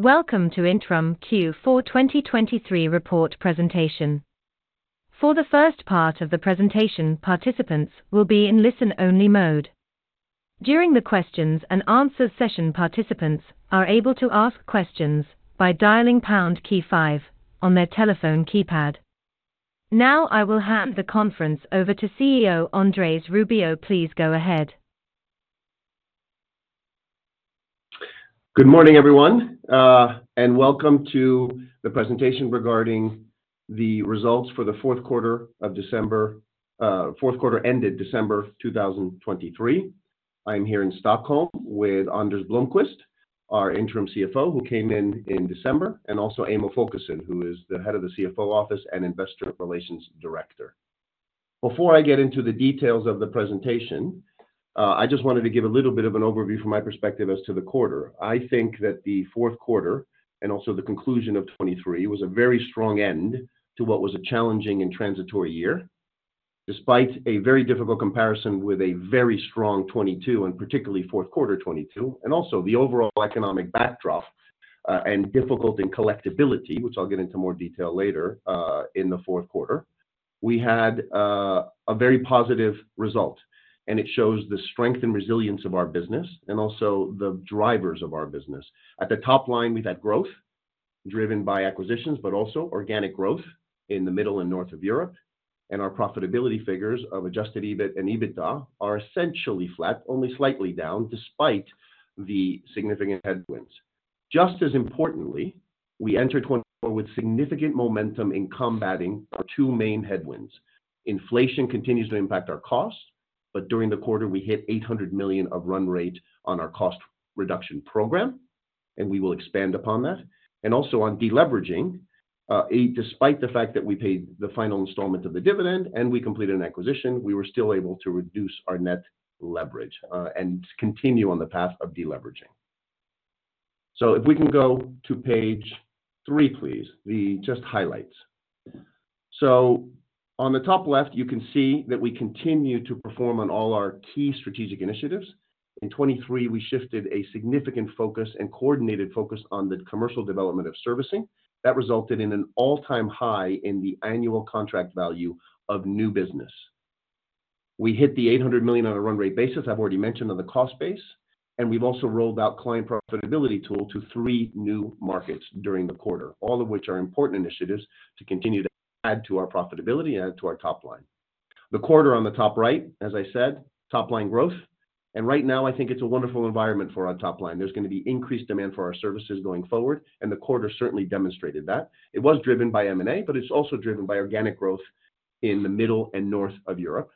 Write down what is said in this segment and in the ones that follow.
Welcome to Intrum Q4 2023 Report Presentation. For the first part of the presentation, participants will be in listen-only mode. During the questions and answers session, participants are able to ask questions by dialing pound key five on their telephone keypad. Now, I will hand the conference over to CEO Andrés Rubio. Please go ahead. Good morning, everyone, and welcome to the presentation regarding the results for the fourth quarter ended December 2023. I'm here in Stockholm with Anders Blomqvist, our Interim CFO, who came in in December, and also Emil Folkesson, who is the head of the CFO office and Investor Relations Director. Before I get into the details of the presentation, I just wanted to give a little bit of an overview from my perspective as to the quarter. I think that the fourth quarter, and also the conclusion of 2023, was a very strong end to what was a challenging and transitory year. Despite a very difficult comparison with a very strong 2022, and particularly fourth quarter 2022, and also the overall economic backdrop, and difficulty in collectibility, which I'll get into more detail later, in the fourth quarter, we had a very positive result, and it shows the strength and resilience of our business and also the drivers of our business. At the top line, we've had growth driven by acquisitions, but also organic growth in the middle and north of Europe, and our profitability figures of adjusted EBIT and EBITDA are essentially flat, only slightly down, despite the significant headwinds. Just as importantly, we entered 2024 with significant momentum in combating our two main headwinds. Inflation continues to impact our costs, but during the quarter, we hit 800 million of run rate on our cost reduction program, and we will expand upon that. And also on deleveraging, despite the fact that we paid the final installment of the dividend and we completed an acquisition, we were still able to reduce our net leverage, and continue on the path of deleveraging. So if we can go to page three, please, the just highlights. So on the top left, you can see that we continue to perform on all our key strategic initiatives. In 2023, we shifted a significant focus and coordinated focus on the commercial development of servicing. That resulted in an all-time high in the annual contract value of new business. We hit 800 million on a run rate basis, I've already mentioned, on the cost base, and we've also rolled out client profitability tool to three new markets during the quarter, all of which are important initiatives to continue to add to our profitability and add to our top line. The quarter on the top right, as I said, top-line growth, and right now I think it's a wonderful environment for our top line. There's going to be increased demand for our services going forward, and the quarter certainly demonstrated that. It was driven by M&A, but it's also driven by organic growth in the Middle and Northern Europe.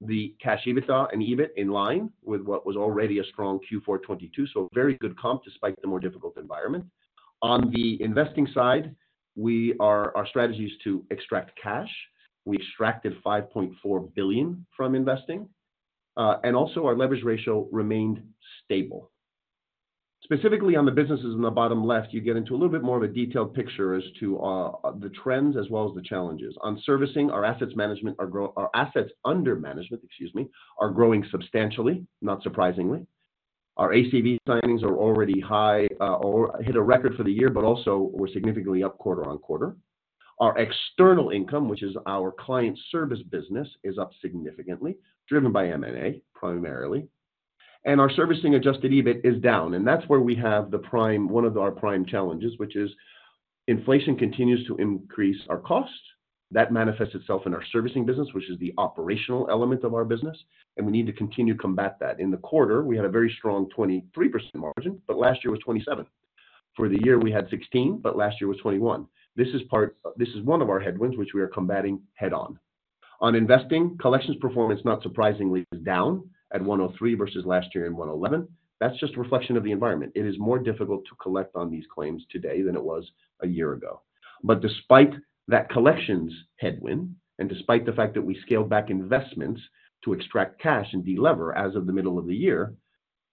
The cash EBITDA and EBIT in line with what was already a strong Q4 2022, so very good comp despite the more difficult environment. On the investing side, our strategy is to extract cash. We extracted 5.4 billion from investing, and also our leverage ratio remained stable. Specifically on the businesses in the bottom left, you get into a little bit more of a detailed picture as to the trends as well as the challenges. On servicing, our assets under management, excuse me, are growing substantially, not surprisingly. Our ACV signings are already high, or hit a record for the year, but also we're significantly up quarter-over-quarter. Our external income, which is our client service business, is up significantly, driven by M&A, primarily. And our servicing adjusted EBIT is down, and that's where we have one of our prime challenges, which is inflation continues to increase our costs. That manifests itself in our servicing business, which is the operational element of our business, and we need to continue to combat that. In the quarter, we had a very strong 23% margin, but last year was 27%. For the year, we had 16%, but last year was 21%. This is one of our headwinds, which we are combating head-on. On investing, collections performance, not surprisingly, is down at 103 versus last year in 111. That's just a reflection of the environment. It is more difficult to collect on these claims today than it was a year ago. But despite that collections headwind, and despite the fact that we scaled back investments to extract cash and delever as of the middle of the year,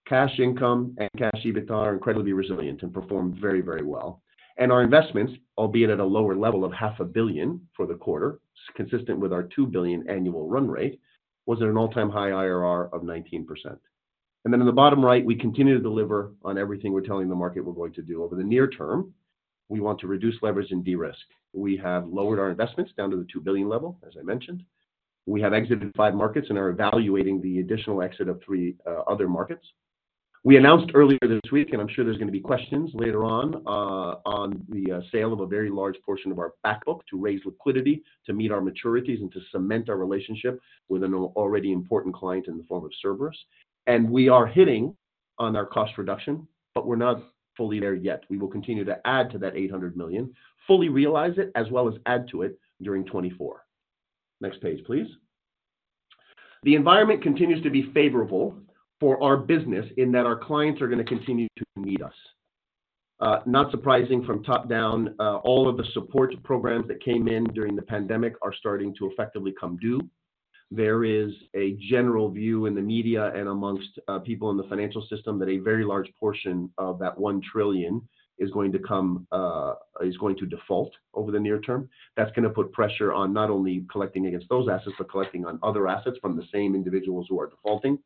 cash income and cash EBITDA are incredibly resilient and performed very, very well. Our investments, albeit at a lower level of 500 million for the quarter, consistent with our 2 billion annual run rate, was at an all-time high IRR of 19%. Then in the bottom right, we continue to deliver on everything we're telling the market we're going to do. Over the near term, we want to reduce leverage and de-risk. We have lowered our investments down to the 2 billion level, as I mentioned. We have exited five markets and are evaluating the additional exit of three other markets. We announced earlier this week, and I'm sure there's going to be questions later on the sale of a very large portion of our back book to raise liquidity, to meet our maturities, and to cement our relationship with an already important client in the form of Cerberus. And we are hitting on our cost reduction, but we're not fully there yet. We will continue to add to that 800 million, fully realize it, as well as add to it during 2024. Next page, please. The environment continues to be favorable for our business in that our clients are going to continue to need us. Not surprising from top down, all of the support programs that came in during the pandemic are starting to effectively come due. There is a general view in the media and amongst people in the financial system that a very large portion of that 1 trillion is going to default over the near term. That's going to put pressure on not only collecting against those assets, but collecting on other assets from the same individuals who are defaulting.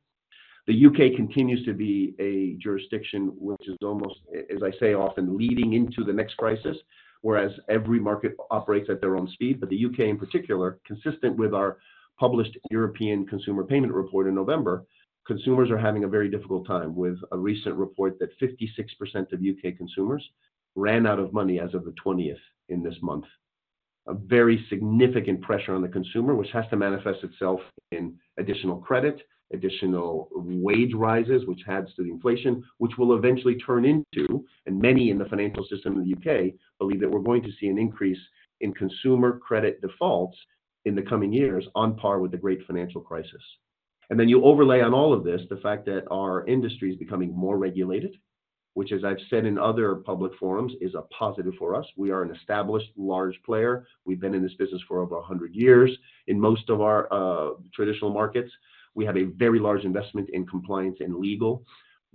The U.K. continues to be a jurisdiction which is almost, as I say, often leading into the next crisis, whereas every market operates at their own speed. But the U.K. in particular, consistent with our published European Consumer Payment Report in November, consumers are having a very difficult time, with a recent report that 56% of U.K. consumers ran out of money as of the 20th in this month. A very significant pressure on the consumer, which has to manifest itself in additional credit, additional wage rises, which adds to the inflation, which will eventually turn into, and many in the financial system of the U.K., believe that we're going to see an increase in consumer credit defaults in the coming years on par with the Great Financial Crisis. And then you overlay on all of this, the fact that our industry is becoming more regulated, which, as I've said in other public forums, is a positive for us. We are an established large player. We've been in this business for over 100 years. In most of our traditional markets, we have a very large investment in compliance and legal.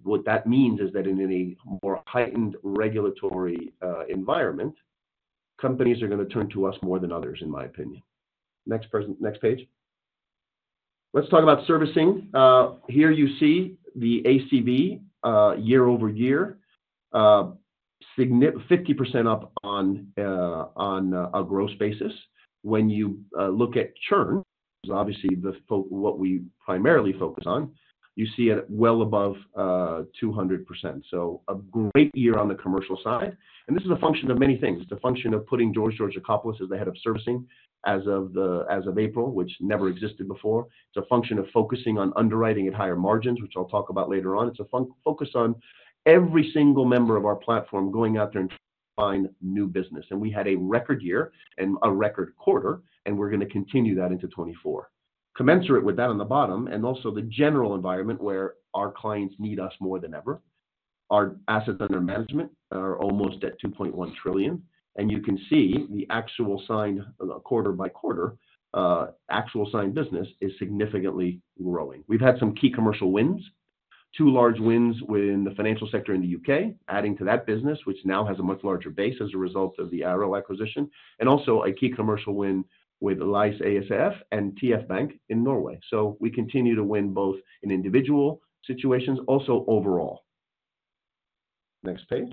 What that means is that in any more heightened regulatory environment, companies are going to turn to us more than others, in my opinion. Next page. Let's talk about servicing. Here you see the ACV year-over-year 50% up on a gross basis. When you look at churn, so obviously what we primarily focus on, you see it well above 200%. So a great year on the commercial side, and this is a function of many things. It's a function of putting Georgios Georgakopoulos as the head of servicing as of April, which never existed before. It's a function of focusing on underwriting at higher margins, which I'll talk about later on. It's a focus on every single member of our platform going out there and find new business. And we had a record year and a record quarter, and we're gonna continue that into 2024. Commensurate with that on the bottom and also the general environment where our clients need us more than ever, our assets under management are almost at 2.1 trillion, and you can see, quarter by quarter, actual signed business is significantly growing. We've had some key commercial wins. Two large wins within the financial sector in the U.K., adding to that business, which now has a much larger base as a result of the Arrow acquisition, and also a key commercial win with Lyse AS and TF Bank in Norway. So we continue to win both in individual situations, also overall. Next page.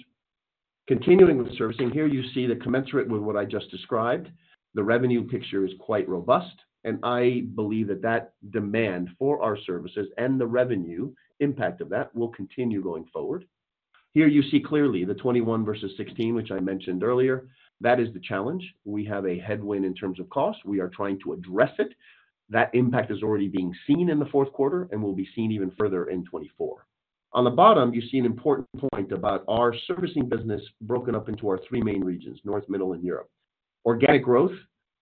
Continuing with servicing, here you see that commensurate with what I just described, the revenue picture is quite robust, and I believe that that demand for our services and the revenue impact of that will continue going forward. Here you see clearly the 21 versus 16, which I mentioned earlier. That is the challenge. We have a headwind in terms of cost. We are trying to address it. That impact is already being seen in the fourth quarter and will be seen even further in 2024. On the bottom, you see an important point about our servicing business broken up into our three main regions, Northern, Middle, and Southern Europe. Organic growth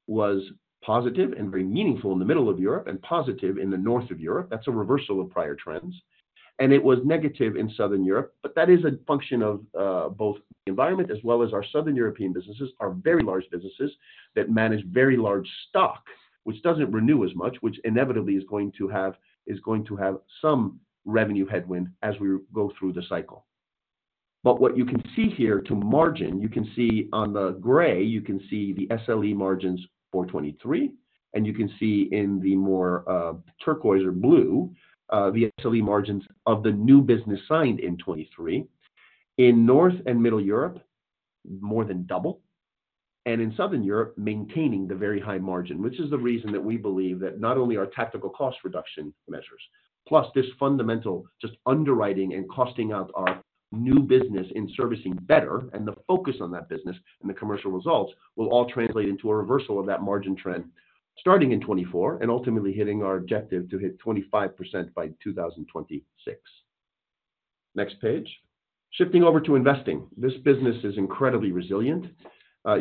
was positive and very meaningful in Middle Europe and positive in Northern Europe. That's a reversal of prior trends, and it was negative in Southern Europe, but that is a function of both the environment as well as our Southern European businesses are very large businesses that manage very large stock, which doesn't renew as much, which inevitably is going to have, is going to have some revenue headwind as we go through the cycle. But what you can see here to margin, you can see on the gray, you can see the SDL margins for 2023, and you can see in the more turquoise or blue the SDL margins of the new business signed in 2023. In North and Middle Europe, more than double, and in Southern Europe, maintaining the very high margin, which is the reason that we believe that not only our tactical cost reduction measures, plus this fundamental just underwriting and costing out our new business in servicing better and the focus on that business and the commercial results, will all translate into a reversal of that margin trend, starting in 2024 and ultimately hitting our objective to hit 25% by 2026. Next page. Shifting over to investing. This business is incredibly resilient.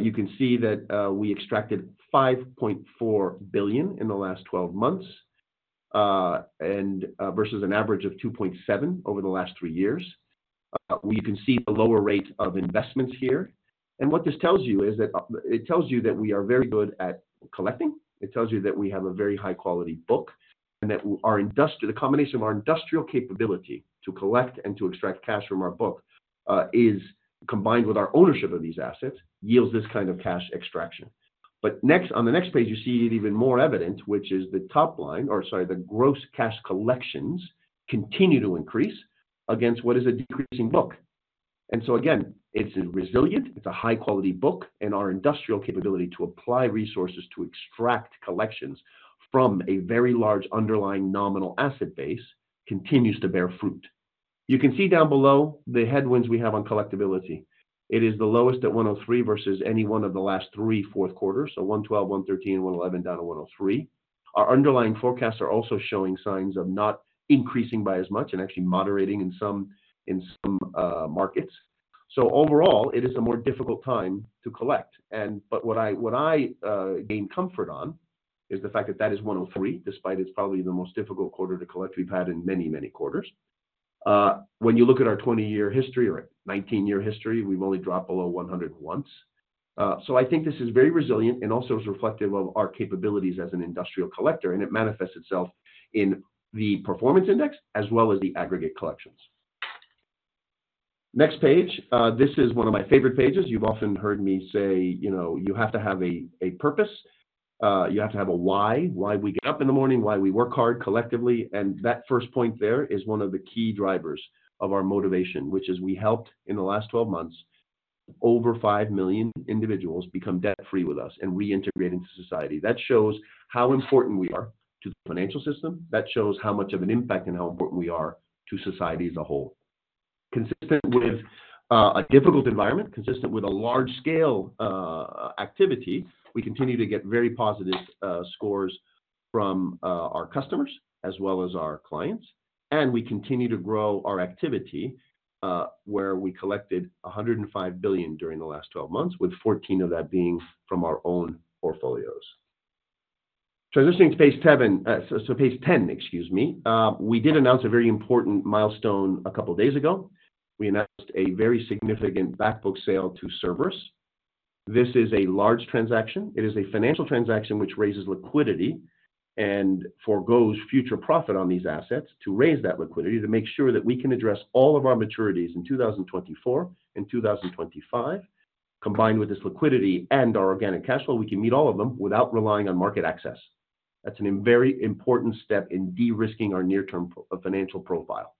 You can see that we extracted 5.4 billion in the last 12 months, and versus an average of 2.7 billion over the last three years. We can see a lower rate of investments here. And what this tells you is that, it tells you that we are very good at collecting. It tells you that we have a very high-quality book and that the combination of our industrial capability to collect and to extract cash from our book is combined with our ownership of these assets, yields this kind of cash extraction. But next, on the next page, you see it even more evident, which is the top line or, sorry, the gross cash collections continue to increase against what is a decreasing book. And so again, it's resilient, it's a high-quality book, and our industrial capability to apply resources to extract collections from a very large underlying nominal asset base continues to bear fruit. You can see down below the headwinds we have on collectibility. It is the lowest at 103 versus any one of the last three fourth quarters, so 112, 113, 111, down to 103. Our underlying forecasts are also showing signs of not increasing by as much and actually moderating in some, in some, markets. So overall, it is a more difficult time to collect. And but what I, what I, gain comfort on is the fact that that is 103, despite it's probably the most difficult quarter to collect we've had in many, many quarters. When you look at our 20-year history or 19-year history, we've only dropped below 100 once. So I think this is very resilient and also is reflective of our capabilities as an industrial collector, and it manifests itself in the performance index as well as the aggregate collections. Next page. This is one of my favorite pages. You've often heard me say, you know, you have to have a, a purpose, you have to have a why. Why we get up in the morning, why we work hard collectively, and that first point there is one of the key drivers of our motivation, which is we helped, in the last 12 months, over 5 million individuals become debt-free with us and reintegrate into society. That shows how important we are to the financial system. That shows how much of an impact and how important we are to society as a whole. Consistent with a difficult environment, consistent with a large-scale activity, we continue to get very positive scores from our customers as well as our clients, and we continue to grow our activity, where we collected 105 billion during the last 12 months, with 14 billion of that being from our own portfolios. Transitioning to page seven, so page 10, excuse me. We did announce a very important milestone a couple of days ago. We announced a very significant back book sale to Cerberus. This is a large transaction. It is a financial transaction which raises liquidity and forgoes future profit on these assets to raise that liquidity, to make sure that we can address all of our maturities in 2024 and 2025. Combined with this liquidity and our organic cash flow, we can meet all of them without relying on market access. That's a very important step in de-risking our near-term financial profile.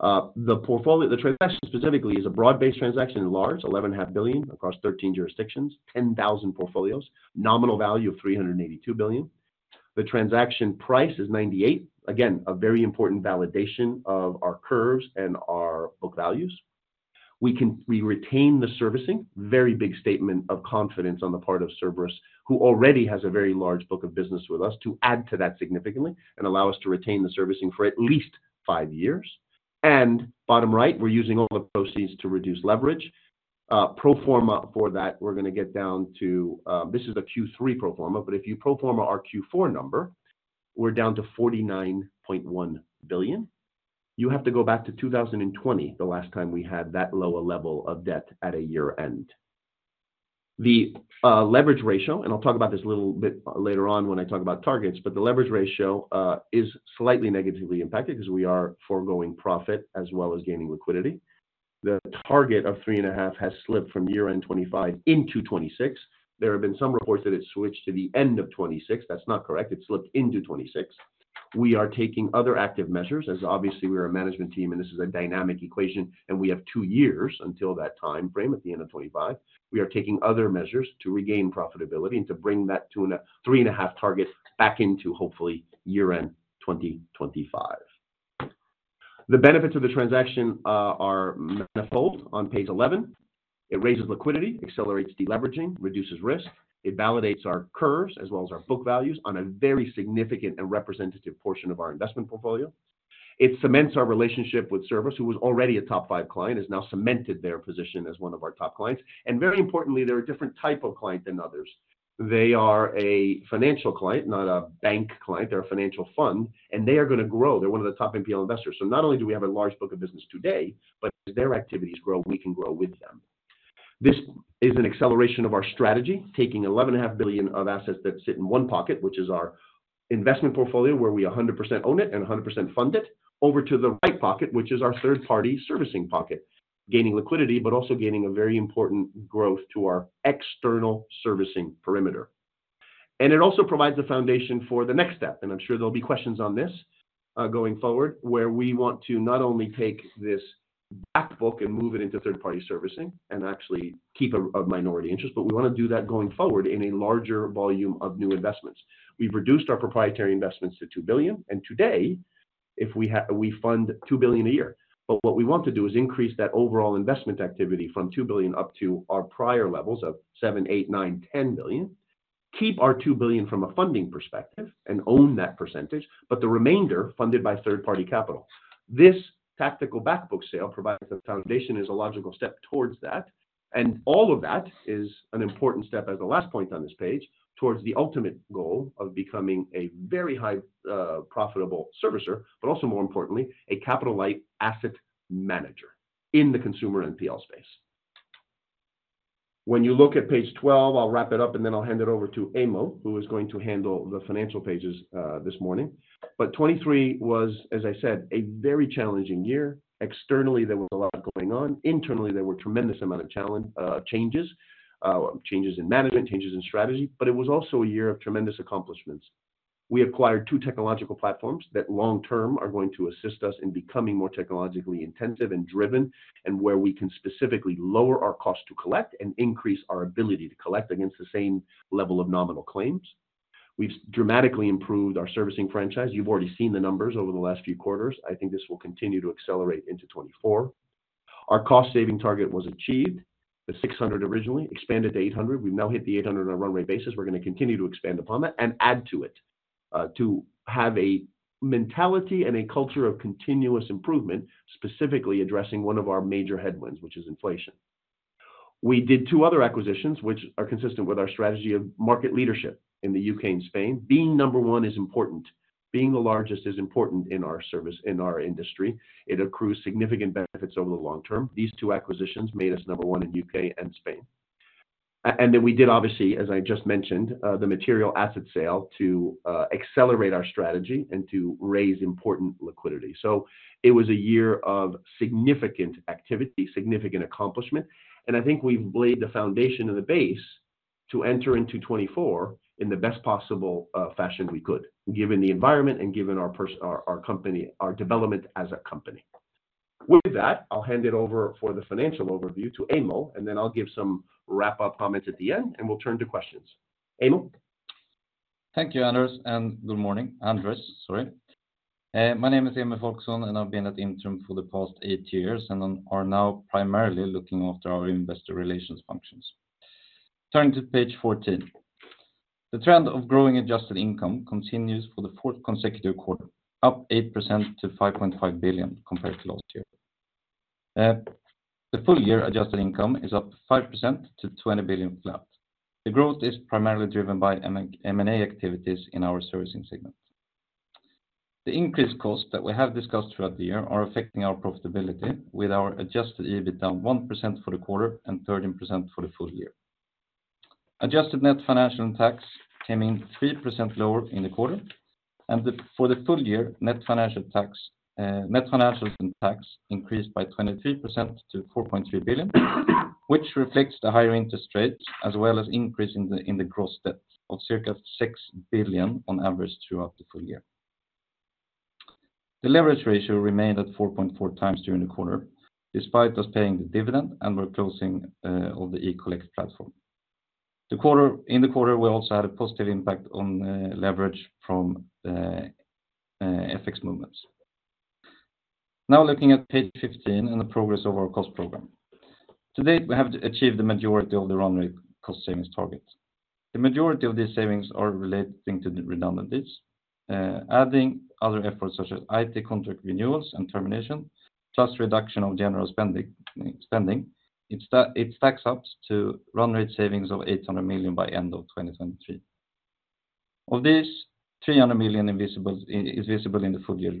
The transaction specifically is a broad-based transaction and large, 11.5 billion across 13 jurisdictions, 10,000 portfolios, nominal value of 382 billion. The transaction price is 98. Again, a very important validation of our curves and our book values. We retain the servicing. Very big statement of confidence on the part of Cerberus, who already has a very large book of business with us to add to that significantly and allow us to retain the servicing for at least five years. And bottom right, we're using all the proceeds to reduce leverage. Pro forma for that, we're gonna get down to... This is a Q3 pro forma, but if you pro forma our Q4 number, we're down to 49.1 billion. You have to go back to 2020, the last time we had that lower level of debt at a year-end. The leverage ratio, and I'll talk about this a little bit later on when I talk about targets, but the leverage ratio is slightly negatively impacted because we are forgoing profit as well as gaining liquidity. The target of 3.5 has slipped from year-end 2025 into 2026. There have been some reports that it switched to the end of 2026. That's not correct. It slipped into 2026. We are taking other active measures, as obviously we are a management team and this is a dynamic equation, and we have two years until that time frame at the end of 2025. We are taking other measures to regain profitability and to bring that 2-3.5 target back into, hopefully, year-end 2025. The benefits of the transaction are manifold on page 11. It raises liquidity, accelerates deleveraging, reduces risk. It validates our curves as well as our book values on a very significant and representative portion of our investment portfolio. It cements our relationship with Cerberus, who was already a top 5 client, has now cemented their position as one of our top clients, and very importantly, they're a different type of client than others. They are a financial client, not a bank client. They're a financial fund, and they are gonna grow. They're one of the top NPL investors. So not only do we have a large book of business today, but as their activities grow, we can grow with them. This is an acceleration of our strategy, taking 11.5 billion of assets that sit in one pocket, which is our investment portfolio, where we 100% own it and 100% fund it, over to the right pocket, which is our third-party servicing pocket. Gaining liquidity, but also gaining a very important growth to our external servicing perimeter. It also provides a foundation for the next step, and I'm sure there'll be questions on this, going forward, where we want to not only take this back book and move it into third-party servicing and actually keep a minority interest, but we want to do that going forward in a larger volume of new investments. We've reduced our proprietary investments to 2 billion, and today, if we fund 2 billion a year. But what we want to do is increase that overall investment activity from 2 billion up to our prior levels of 7 billion-10 billion. Keep our 2 billion from a funding perspective and own that percentage, but the remainder funded by third-party capital. This tactical back book sale provides a foundation, is a logical step towards that, and all of that is an important step as the last point on this page, towards the ultimate goal of becoming a very high profitable servicer, but also more importantly, a capital-light asset manager in the consumer NPL space. When you look at page 12... I'll wrap it up, and then I'll hand it over to Emil, who is going to handle the financial pages this morning. But 2023 was, as I said, a very challenging year. Externally, there was a lot going on. Internally, there was a tremendous amount of challenges, changes in management, changes in strategy, but it was also a year of tremendous accomplishments. We acquired two technological platforms that long term are going to assist us in becoming more technologically intensive and driven, and where we can specifically lower our cost to collect and increase our ability to collect against the same level of nominal claims. We've dramatically improved our servicing franchise. You've already seen the numbers over the last few quarters. I think this will continue to accelerate into 2024. Our cost-saving target was achieved. The 600 originally expanded to 800. We've now hit the 800 on a run rate basis. We're going to continue to expand upon that and add to it, to have a mentality and a culture of continuous improvement, specifically addressing one of our major headwinds, which is inflation. We did two other acquisitions, which are consistent with our strategy of market leadership in the U.K. and Spain. Being number one is important. Being the largest is important in our service, in our industry. It accrues significant benefits over the long term. These two acquisitions made us number one in U.K. and Spain. And then we did, obviously, as I just mentioned, the material asset sale to accelerate our strategy and to raise important liquidity. So it was a year of significant activity, significant accomplishment, and I think we've laid the foundation and the base to enter into 2024 in the best possible fashion we could, given the environment and given our company, our development as a company. With that, I'll hand it over for the financial overview to Emil, and then I'll give some wrap-up comments at the end, and we'll turn to questions. Emil? Thank you, Anders, and good morning. Andrés, sorry. My name is Emil Folkesson, and I've been at Intrum for the past eight years, and I am now primarily looking after our investor relations functions. Turning to page 14. The trend of growing adjusted income continues for the fourth consecutive quarter, up 8% to 5.5 billion compared to last year. The full year adjusted income is up 5% to 20 billion flat. The growth is primarily driven by M&A activities in our servicing segment. The increased costs that we have discussed throughout the year are affecting our profitability, with our adjusted EBIT down 1% for the quarter and 13% for the full year. Adjusted net financial and tax came in 3% lower in the quarter, and for the full year, net financial tax, net financials and tax increased by 23% to 4.3 billion, which reflects the higher interest rates, as well as increase in the gross debt of circa 6 billion on average throughout the full year. The leverage ratio remained at 4.4x during the quarter, despite us paying the dividend and we're closing all the eCollect platform. In the quarter, we also had a positive impact on leverage from FX movements. Now looking at page 15 and the progress of our cost program. To date, we have achieved the majority of the run rate cost savings targets. The majority of these savings are relating to the redundancies, adding other efforts such as IT contract renewals and termination, plus reduction of general spending. It stacks up to run rate savings of 800 million by end of 2023. Of these, 300 million is visible in the full year,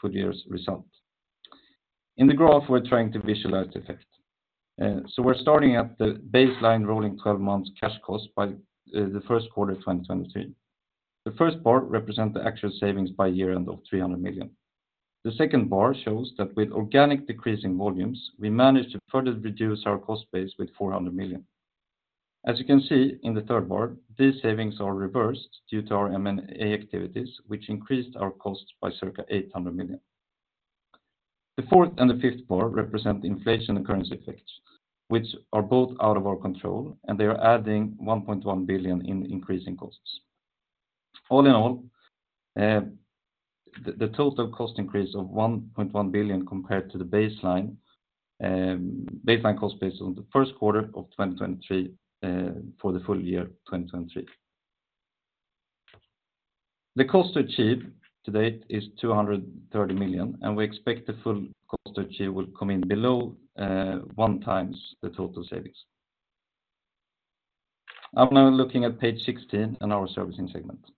full year's result. In the graph, we're trying to visualize the effect. So we're starting at the baseline rolling 12 months cash cost by the first quarter of 2023. The first bar represent the actual savings by year end of 300 million. The second bar shows that with organic decrease in volumes, we managed to further reduce our cost base with 400 million. As you can see in the third bar, these savings are reversed due to our M&A activities, which increased our costs by circa 800 million. The fourth and the fifth bar represent the inflation and currency effects, which are both out of our control, and they are adding 1.1 billion in increasing costs. All in all, the total cost increase of 1.1 billion compared to the baseline cost base on the first quarter of 2023, for the full year 2023. The cost to achieve to date is 230 million, and we expect the full cost to achieve will come in below 1x the total savings. I'm now looking at page 16 and our servicing segment. In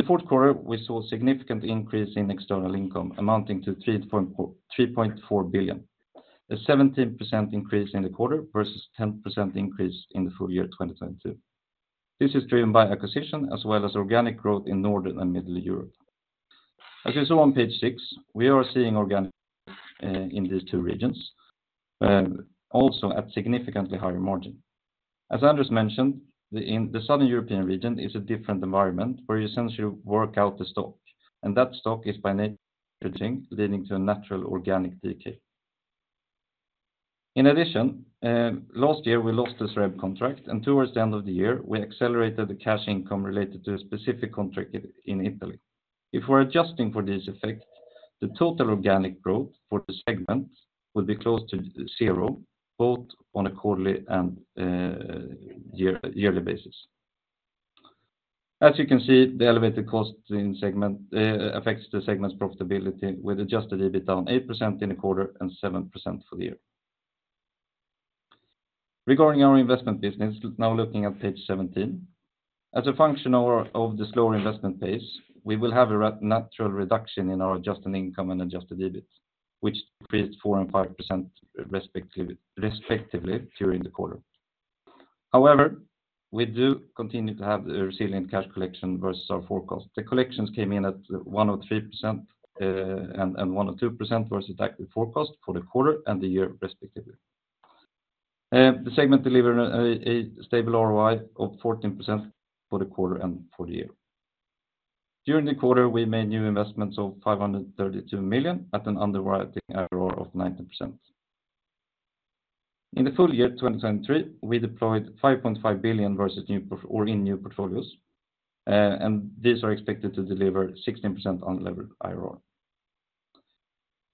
the fourth quarter, we saw a significant increase in external income, amounting to 3.4 billion, a 17% increase in the quarter versus 10% increase in the full year 2022. This is driven by acquisition as well as organic growth in Northern and Middle Europe. As you saw on page six, we are seeing organic in these two regions also at significantly higher margin. As Andrés mentioned, the Southern European region is a different environment, where you essentially work out the stock, and that stock is by nature aging, leading to a natural organic decay. In addition, last year, we lost the Sareb contract, and towards the end of the year, we accelerated the cash income related to a specific contract in Italy. If we're adjusting for this effect, the total organic growth for the segment would be close to zero, both on a quarterly and yearly basis. As you can see, the elevated cost in segment affects the segment's profitability, with adjusted EBIT down 8% in a quarter and 7% for the year. Regarding our investment business, now looking at page 17. As a function of our slower investment pace, we will have a natural reduction in our adjusted income and adjusted EBIT, which decreased 4% and 5%, respectively, during the quarter. However, we do continue to have a resilient cash collection versus our forecast. The collections came in at 103%, and 102% versus active forecast for the quarter and the year, respectively. The segment delivered a stable ROI of 14% for the quarter and for the year. During the quarter, we made new investments of 532 million at an underwriting IRR of 19%. In the full year, 2023, we deployed 5.5 billion in new portfolios, and these are expected to deliver 16% unlevered IRR.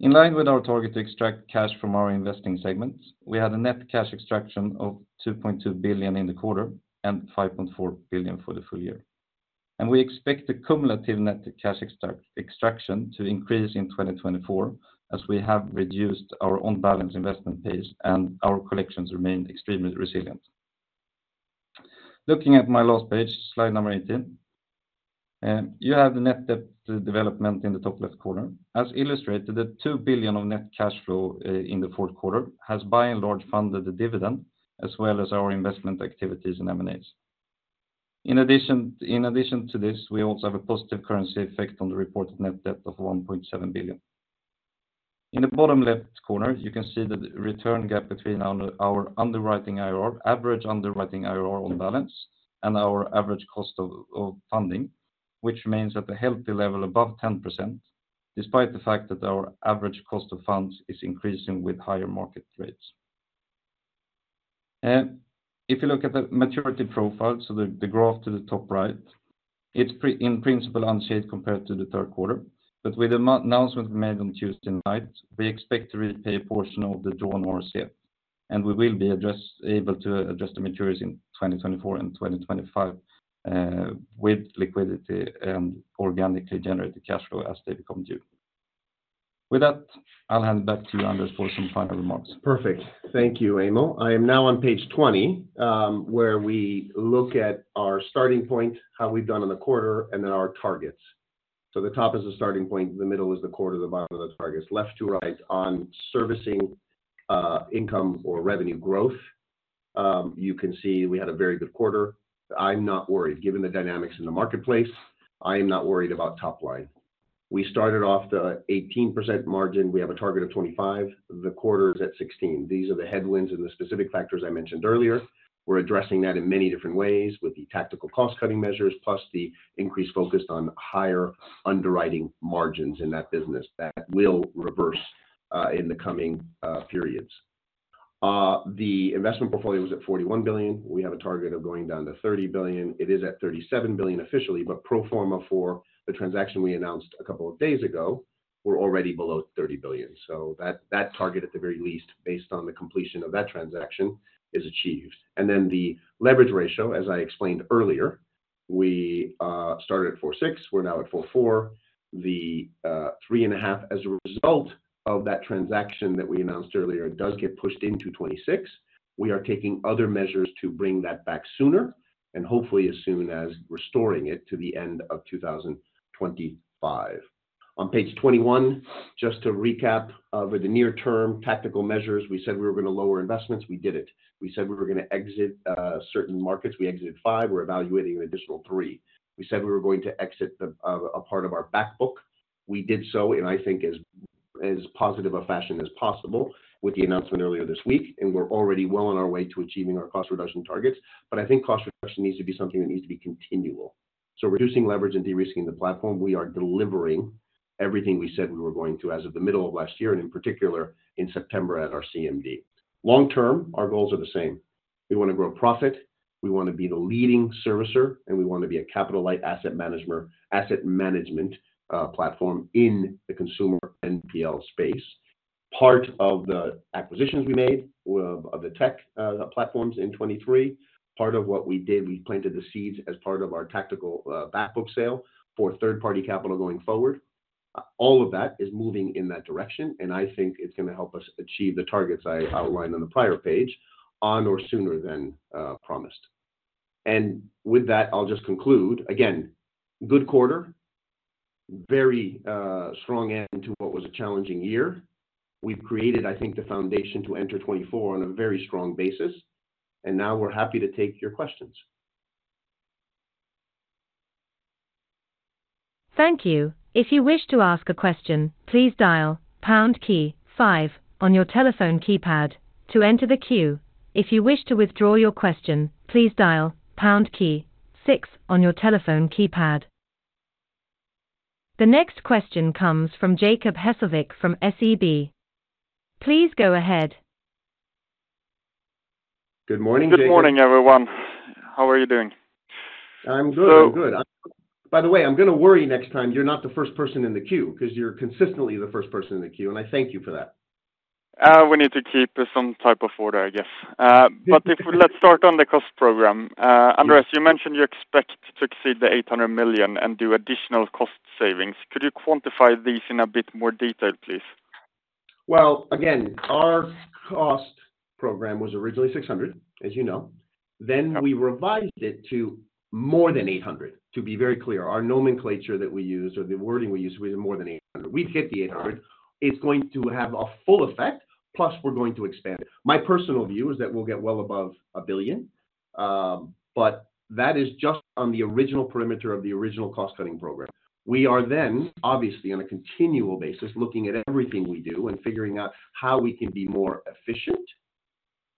In line with our target to extract cash from our investing segments, we had a net cash extraction of 2.2 billion in the quarter and 5.4 billion for the full year. We expect the cumulative net cash extraction to increase in 2024, as we have reduced our on-balance investment pace and our collections remain extremely resilient. Looking at my last page, slide number 18, you have the net debt development in the top left corner. As illustrated, the 2 billion of net cash flow in the fourth quarter has, by and large, funded the dividend, as well as our investment activities in M&As. In addition, in addition to this, we also have a positive currency effect on the reported net debt of 1.7 billion. In the bottom left corner, you can see that the return gap between our, our underwriting IRR, average underwriting IRR on balance and our average cost of, of funding, which remains at a healthy level above 10%, despite the fact that our average cost of funds is increasing with higher market rates. If you look at the maturity profile, so the graph to the top right, it's, in principle, unchanged compared to the third quarter. But with the announcement made on Tuesday night, we expect to repay a portion of the drawn RCF, and we will be addressable to address the maturities in 2024 and 2025, with liquidity and organically generate the cash flow as they become due. With that, I'll hand back to Andrés for some final remarks. Perfect. Thank you, Emil. I am now on page 20, where we look at our starting point, how we've done in the quarter, and then our targets. So the top is the starting point, the middle is the quarter, the bottom are the targets. Left to right on servicing, income or revenue growth. You can see we had a very good quarter. I'm not worried. Given the dynamics in the marketplace, I am not worried about top line. We started off the 18% margin. We have a target of 25, the quarter is at 16. These are the headwinds and the specific factors I mentioned earlier. We're addressing that in many different ways with the tactical cost-cutting measures, plus the increase focused on higher underwriting margins in that business. That will reverse in the coming periods. The investment portfolio was at 41 billion. We have a target of going down to 30 billion. It is at 37 billion officially, but pro forma for the transaction we announced a couple of days ago, we're already below 30 billion. So that, that target, at the very least, based on the completion of that transaction, is achieved. And then the leverage ratio, as I explained earlier, we started at 4.6, we're now at 4.4. The three and a half as a result of that transaction that we announced earlier, does get pushed into 2026. We are taking other measures to bring that back sooner, and hopefully as soon as restoring it to the end of 2025. On page 21, just to recap, with the near term tactical measures, we said we were gonna lower investments. We did it. We said we were gonna exit certain markets. We exited five, we're evaluating an additional three. We said we were going to exit the a part of our back book. We did so, and I think as positive a fashion as possible with the announcement earlier this week, and we're already well on our way to achieving our cost reduction targets. But I think cost reduction needs to be something that needs to be continual. So reducing leverage and de-risking the platform, we are delivering everything we said we were going to as of the middle of last year, and in particular, in September at our CMD. Long term, our goals are the same. We want to grow profit, we want to be the leading servicer, and we want to be a capital-light asset management platform in the consumer NPL space. Part of the acquisitions we made of the tech platforms in 2023, part of what we did, we planted the seeds as part of our tactical back book sale for third-party capital going forward. All of that is moving in that direction, and I think it's gonna help us achieve the targets I outlined on the prior page, on or sooner than promised. And with that, I'll just conclude. Again, good quarter. Very strong end to what was a challenging year. We've created, I think, the foundation to enter 2024 on a very strong basis, and now we're happy to take your questions. Thank you. If you wish to ask a question, please dial pound key five on your telephone keypad to enter the queue. If you wish to withdraw your question, please dial pound key six on your telephone keypad. The next question comes from Jacob Hesslevik, from SEB. Please go ahead. Good morning, Jacob. Good morning, everyone. How are you doing? I'm good. I'm good. So- By the way, I'm gonna worry next time you're not the first person in the queue, because you're consistently the first person in the queue, and I thank you for that. We need to keep some type of order, I guess. But let's start on the cost program. Andrés, you mentioned you expect to exceed the 800 million and do additional cost savings. Could you quantify these in a bit more detail, please? Well, again, our cost program was originally 600, as you know. Then we revised it to more than 800, to be very clear. Our nomenclature that we use or the wording we use, we did more than 800. We've hit the 800. It's going to have a full effect, plus we're going to expand it. My personal view is that we'll get well above 1 billion, but that is just on the original perimeter of the original cost-cutting program. We are then, obviously, on a continual basis, looking at everything we do and figuring out how we can be more efficient,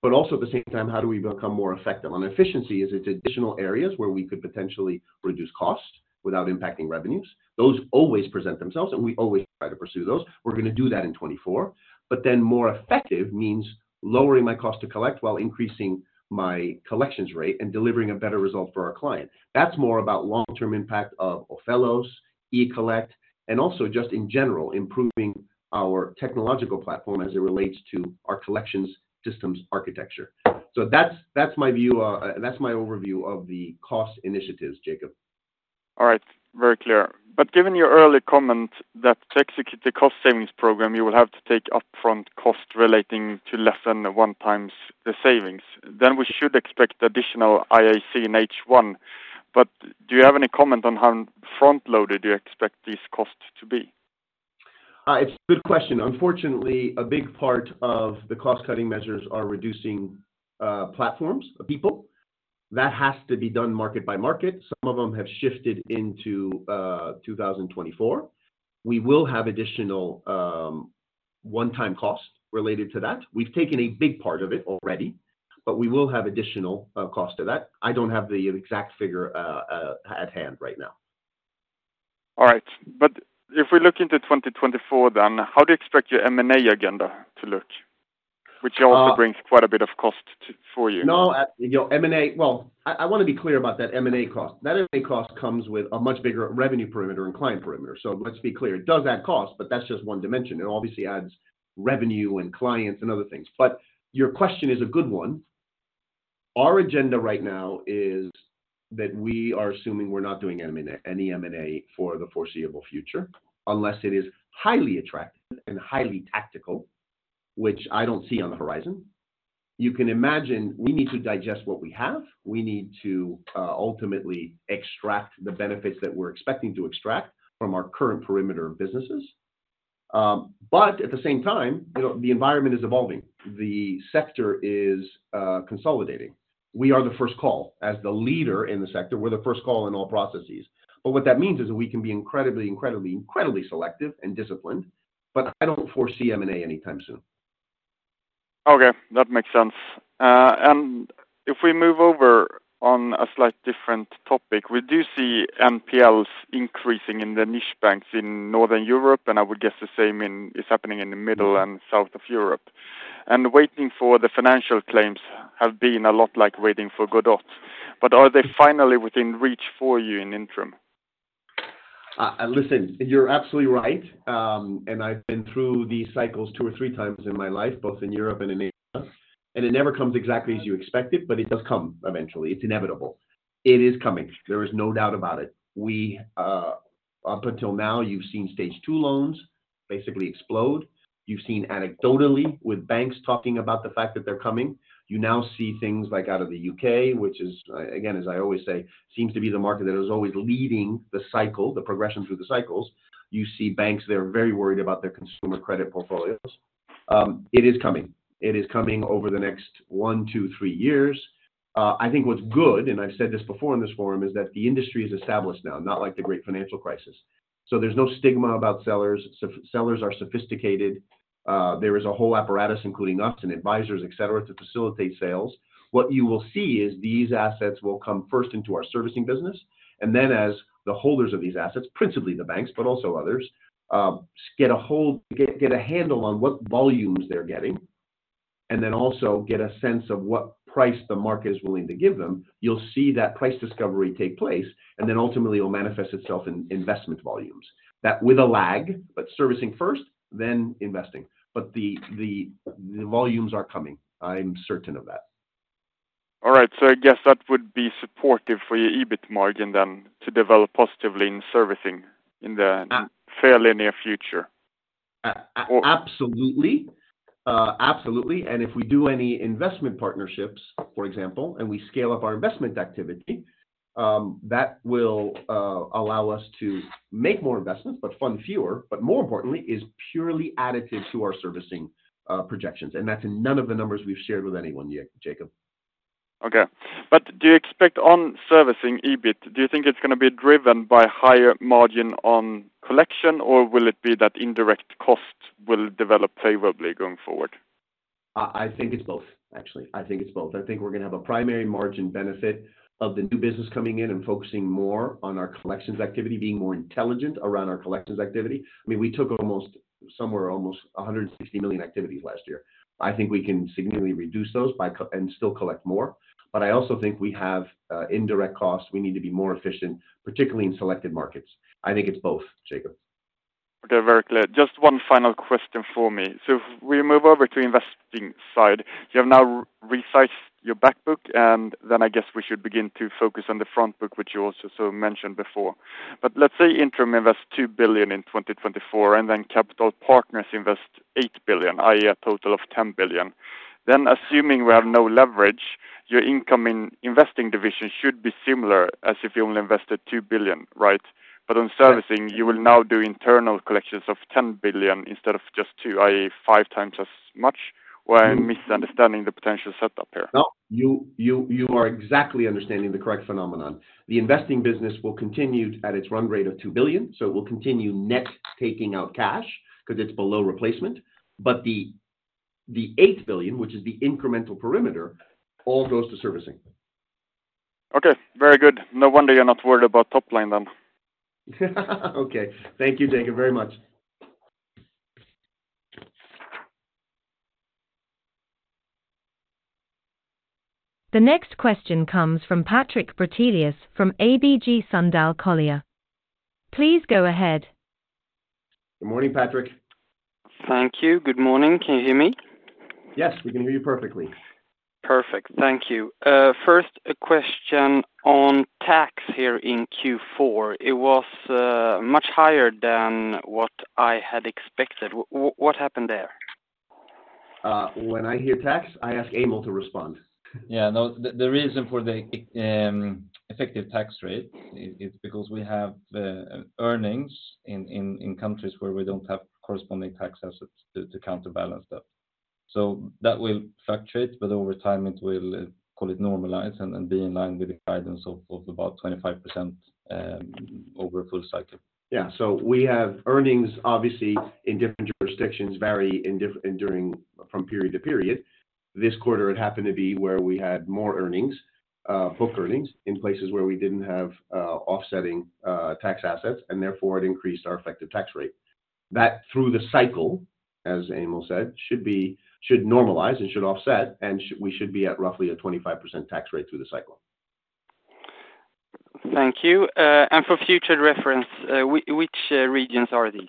but also at the same time, how do we become more effective? On efficiency, is it additional areas where we could potentially reduce costs without impacting revenues? Those always present themselves, and we always try to pursue those. We're gonna do that in 2024. But then more effective means lowering my cost to collect while increasing my collections rate and delivering a better result for our client. That's more about long-term impact of Ophelos, eCollect, and also just in general, improving our technological platform as it relates to our collections systems architecture. So that's, that's my view, that's my overview of the cost initiatives, Jacob. All right, very clear. But given your early comment that to execute the cost savings program, you will have to take upfront cost relating to less than 1x the savings, then we should expect additional IAC in H1. But do you have any comment on how front-loaded you expect these costs to be? It's a good question. Unfortunately, a big part of the cost-cutting measures are reducing platforms of people. That has to be done market by market. Some of them have shifted into 2024. We will have additional one-time costs related to that. We've taken a big part of it already, but we will have additional cost to that. I don't have the exact figure at hand right now. All right. But if we look into 2024 then, how do you expect your M&A agenda to look? Which also brings quite a bit of cost to, for you. No, you know, M&A... Well, I wanna be clear about that M&A cost. That M&A cost comes with a much bigger revenue perimeter and client perimeter. So let's be clear. It does add cost, but that's just one dimension. It obviously adds revenue and clients and other things. But your question is a good one. Our agenda right now is that we are assuming we're not doing M&A, any M&A for the foreseeable future, unless it is highly attractive and highly tactical, which I don't see on the horizon. You can imagine we need to digest what we have. We need to ultimately extract the benefits that we're expecting to extract from our current perimeter of businesses. But at the same time, you know, the environment is evolving. The sector is consolidating. We are the first call. As the leader in the sector, we're the first call in all processes. What that means is that we can be incredibly, incredibly, incredibly selective and disciplined, but I don't foresee M&A anytime soon. Okay, that makes sense. If we move over to a slightly different topic, we do see NPLs increasing in the niche banks in Northern Europe, and I would guess the same is happening in the middle and south of Europe. Waiting for the financial close has been a lot like waiting for Godot, but are they finally within reach for you in the interim? Listen, you're absolutely right, and I've been through these cycles two or three times in my life, both in Europe and in Asia, and it never comes exactly as you expect it, but it does come eventually. It's inevitable. It is coming. There is no doubt about it. We up until now, you've seen Stage 2 loans basically explode. You've seen anecdotally with banks talking about the fact that they're coming. You now see things like, out of the U.K., which is, again, as I always say, seems to be the market that is always leading the cycle, the progression through the cycles. You see banks, they're very worried about their consumer credit portfolios. It is coming. It is coming over the next one, two, three years. I think what's good, and I've said this before in this forum, is that the industry is established now, not like the Great Financial Crisis. So there's no stigma about sellers. Sellers are sophisticated. There is a whole apparatus, including us and advisors, et cetera, to facilitate sales. What you will see is these assets will come first into our servicing business, and then as the holders of these assets, principally the banks, but also others, get a handle on what volumes they're getting, and then also get a sense of what price the market is willing to give them. You'll see that price discovery take place, and then ultimately it will manifest itself in investment volumes. That with a lag, but servicing first, then investing. But the volumes are coming, I'm certain of that. All right, so I guess that would be supportive for your EBIT margin then to develop positively in servicing in the fairly near future. Absolutely. Absolutely, and if we do any investment partnerships, for example, and we scale up our investment activity, that will allow us to make more investments, but fund fewer, but more importantly, is purely additive to our servicing projections, and that's in none of the numbers we've shared with anyone yet, Jacob. Okay. But do you expect on servicing EBIT, do you think it's gonna be driven by higher margin on collection, or will it be that indirect cost will develop favorably going forward? I think it's both, actually. I think it's both. I think we're gonna have a primary margin benefit of the new business coming in and focusing more on our collections activity, being more intelligent around our collections activity. I mean, we took almost, somewhere almost 160 million activities last year. I think we can significantly reduce those and still collect more. But I also think we have indirect costs. We need to be more efficient, particularly in selected markets. I think it's both, Jacob. Okay, very clear. Just one final question for me. So if we move over to investing side, you have now resized your back book, and then I guess we should begin to focus on the front book, which you also sort of mentioned before. But let's say Intrum invests 2 billion in 2024, and then capital partners invest 8 billion, i.e., a total of 10 billion. Then, assuming we have no leverage, your income in investing division should be similar as if you only invested 2 billion, right? But on servicing, you will now do internal collections of 10 billion instead of just two, i.e., five times as much, or I'm misunderstanding the potential setup here? No, you are exactly understanding the correct phenomenon. The investing business will continue at its run rate of 2 billion, so it will continue net, taking out cash, because it's below replacement. But the 8 billion, which is the incremental perimeter, all goes to servicing. Okay, very good. No wonder you're not worried about top line then. Okay. Thank you, Jacob, very much. The next question comes from Patrik Brattelius from ABG Sundal Collier. Please go ahead. Good morning, Patrik. Thank you. Good morning. Can you hear me? Yes, we can hear you perfectly. Perfect. Thank you. First, a question on tax here in Q4. It was much higher than what I had expected. What happened there? When I hear tax, I ask Emil to respond. Yeah, no, the reason for the effective tax rate is because we have earnings in countries where we don't have corresponding tax assets to counterbalance that. So that will fluctuate, but over time it will call it normalize and be in line with the guidance of about 25% over a full cycle. Yeah, so we have earnings, obviously, in different jurisdictions vary differently from period to period. This quarter, it happened to be where we had more earnings, book earnings, in places where we didn't have offsetting tax assets, and therefore it increased our effective tax rate. That, through the cycle, as Emil said, should normalize and should offset, and we should be at roughly a 25% tax rate through the cycle. Thank you. For future reference, which regions are these?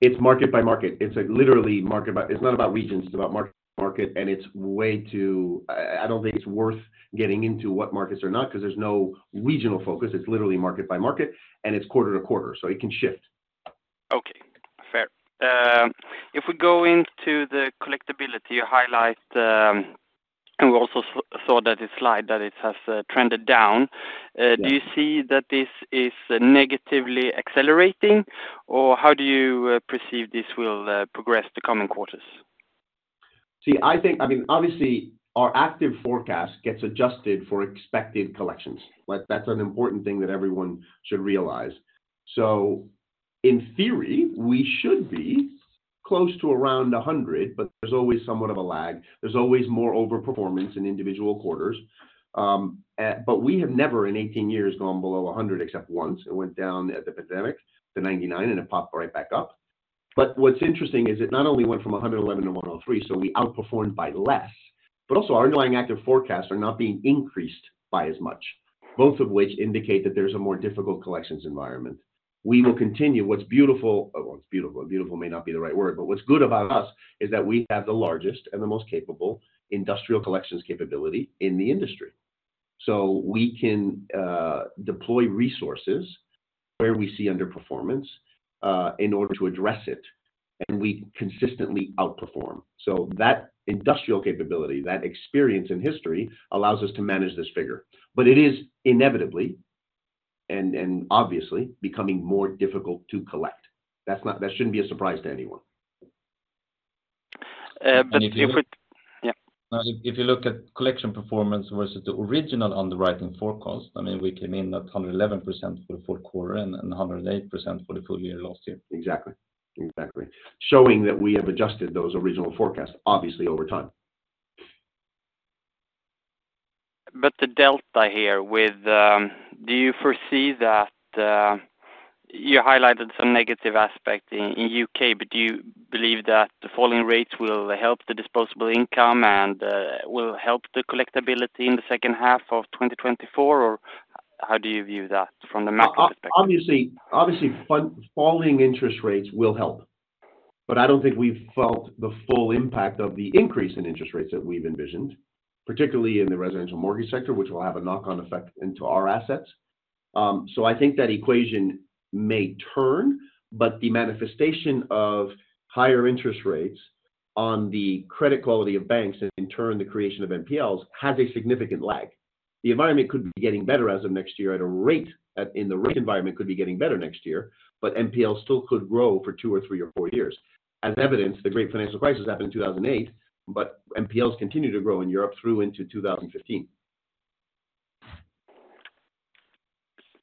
It's market by market. It's literally market by market, it's not about regions, it's about market by market, and it's way too... I don't think it's worth getting into what markets or not, 'cause there's no regional focus. It's literally market by market, and it's quarter to quarter, so it can shift. Okay. Fair. If we go into the collectibility, you highlight, and we also saw that the slide, that it has trended down. Yeah. Do you see that this is negatively accelerating, or how do you perceive this will progress the coming quarters? See, I think, I mean, obviously, our active forecast gets adjusted for expected collections. Like, that's an important thing that everyone should realize. So in theory, we should be close to around 100, but there's always somewhat of a lag. There's always more overperformance in individual quarters. But we have never, in 18 years, gone below 100 except once. It went down at the pandemic to 99, and it popped right back up. But what's interesting is it not only went from 111 to 103, so we outperformed by less, but also our underlying active forecasts are not being increased by as much, both of which indicate that there's a more difficult collections environment. We will continue. What's beautiful... Oh, well, it's beautiful, beautiful may not be the right word, but what's good about us is that we have the largest and the most capable industrial collections capability in the industry. So we can deploy resources where we see underperformance in order to address it, and we consistently outperform. So that industrial capability, that experience in history, allows us to manage this figure. But it is inevitably and obviously becoming more difficult to collect. That shouldn't be a surprise to anyone. But if we- And if you- Yeah. If you look at collection performance versus the original underwriting forecast, I mean, we came in at 111% for the fourth quarter and 108% for the full year last year. Exactly. Exactly. Showing that we have adjusted those original forecasts, obviously, over time. But the delta here with, Do you foresee that you highlighted some negative aspect in the U.K., but do you believe that the falling rates will help the disposable income and will help the collectibility in the second half of 2024? Or how do you view that from the macro perspective? Obviously, falling interest rates will help, but I don't think we've felt the full impact of the increase in interest rates that we've envisioned, particularly in the residential mortgage sector, which will have a knock-on effect into our assets. So I think that equation may turn, but the manifestation of higher interest rates on the credit quality of banks, and in turn, the creation of NPLs, has a significant lag. The environment could be getting better as of next year, in the rate environment could be getting better next year, but NPLs still could grow for two or three or four years. As evidenced, the Great Financial Crisis happened in 2008, but NPLs continued to grow in Europe through into 2015.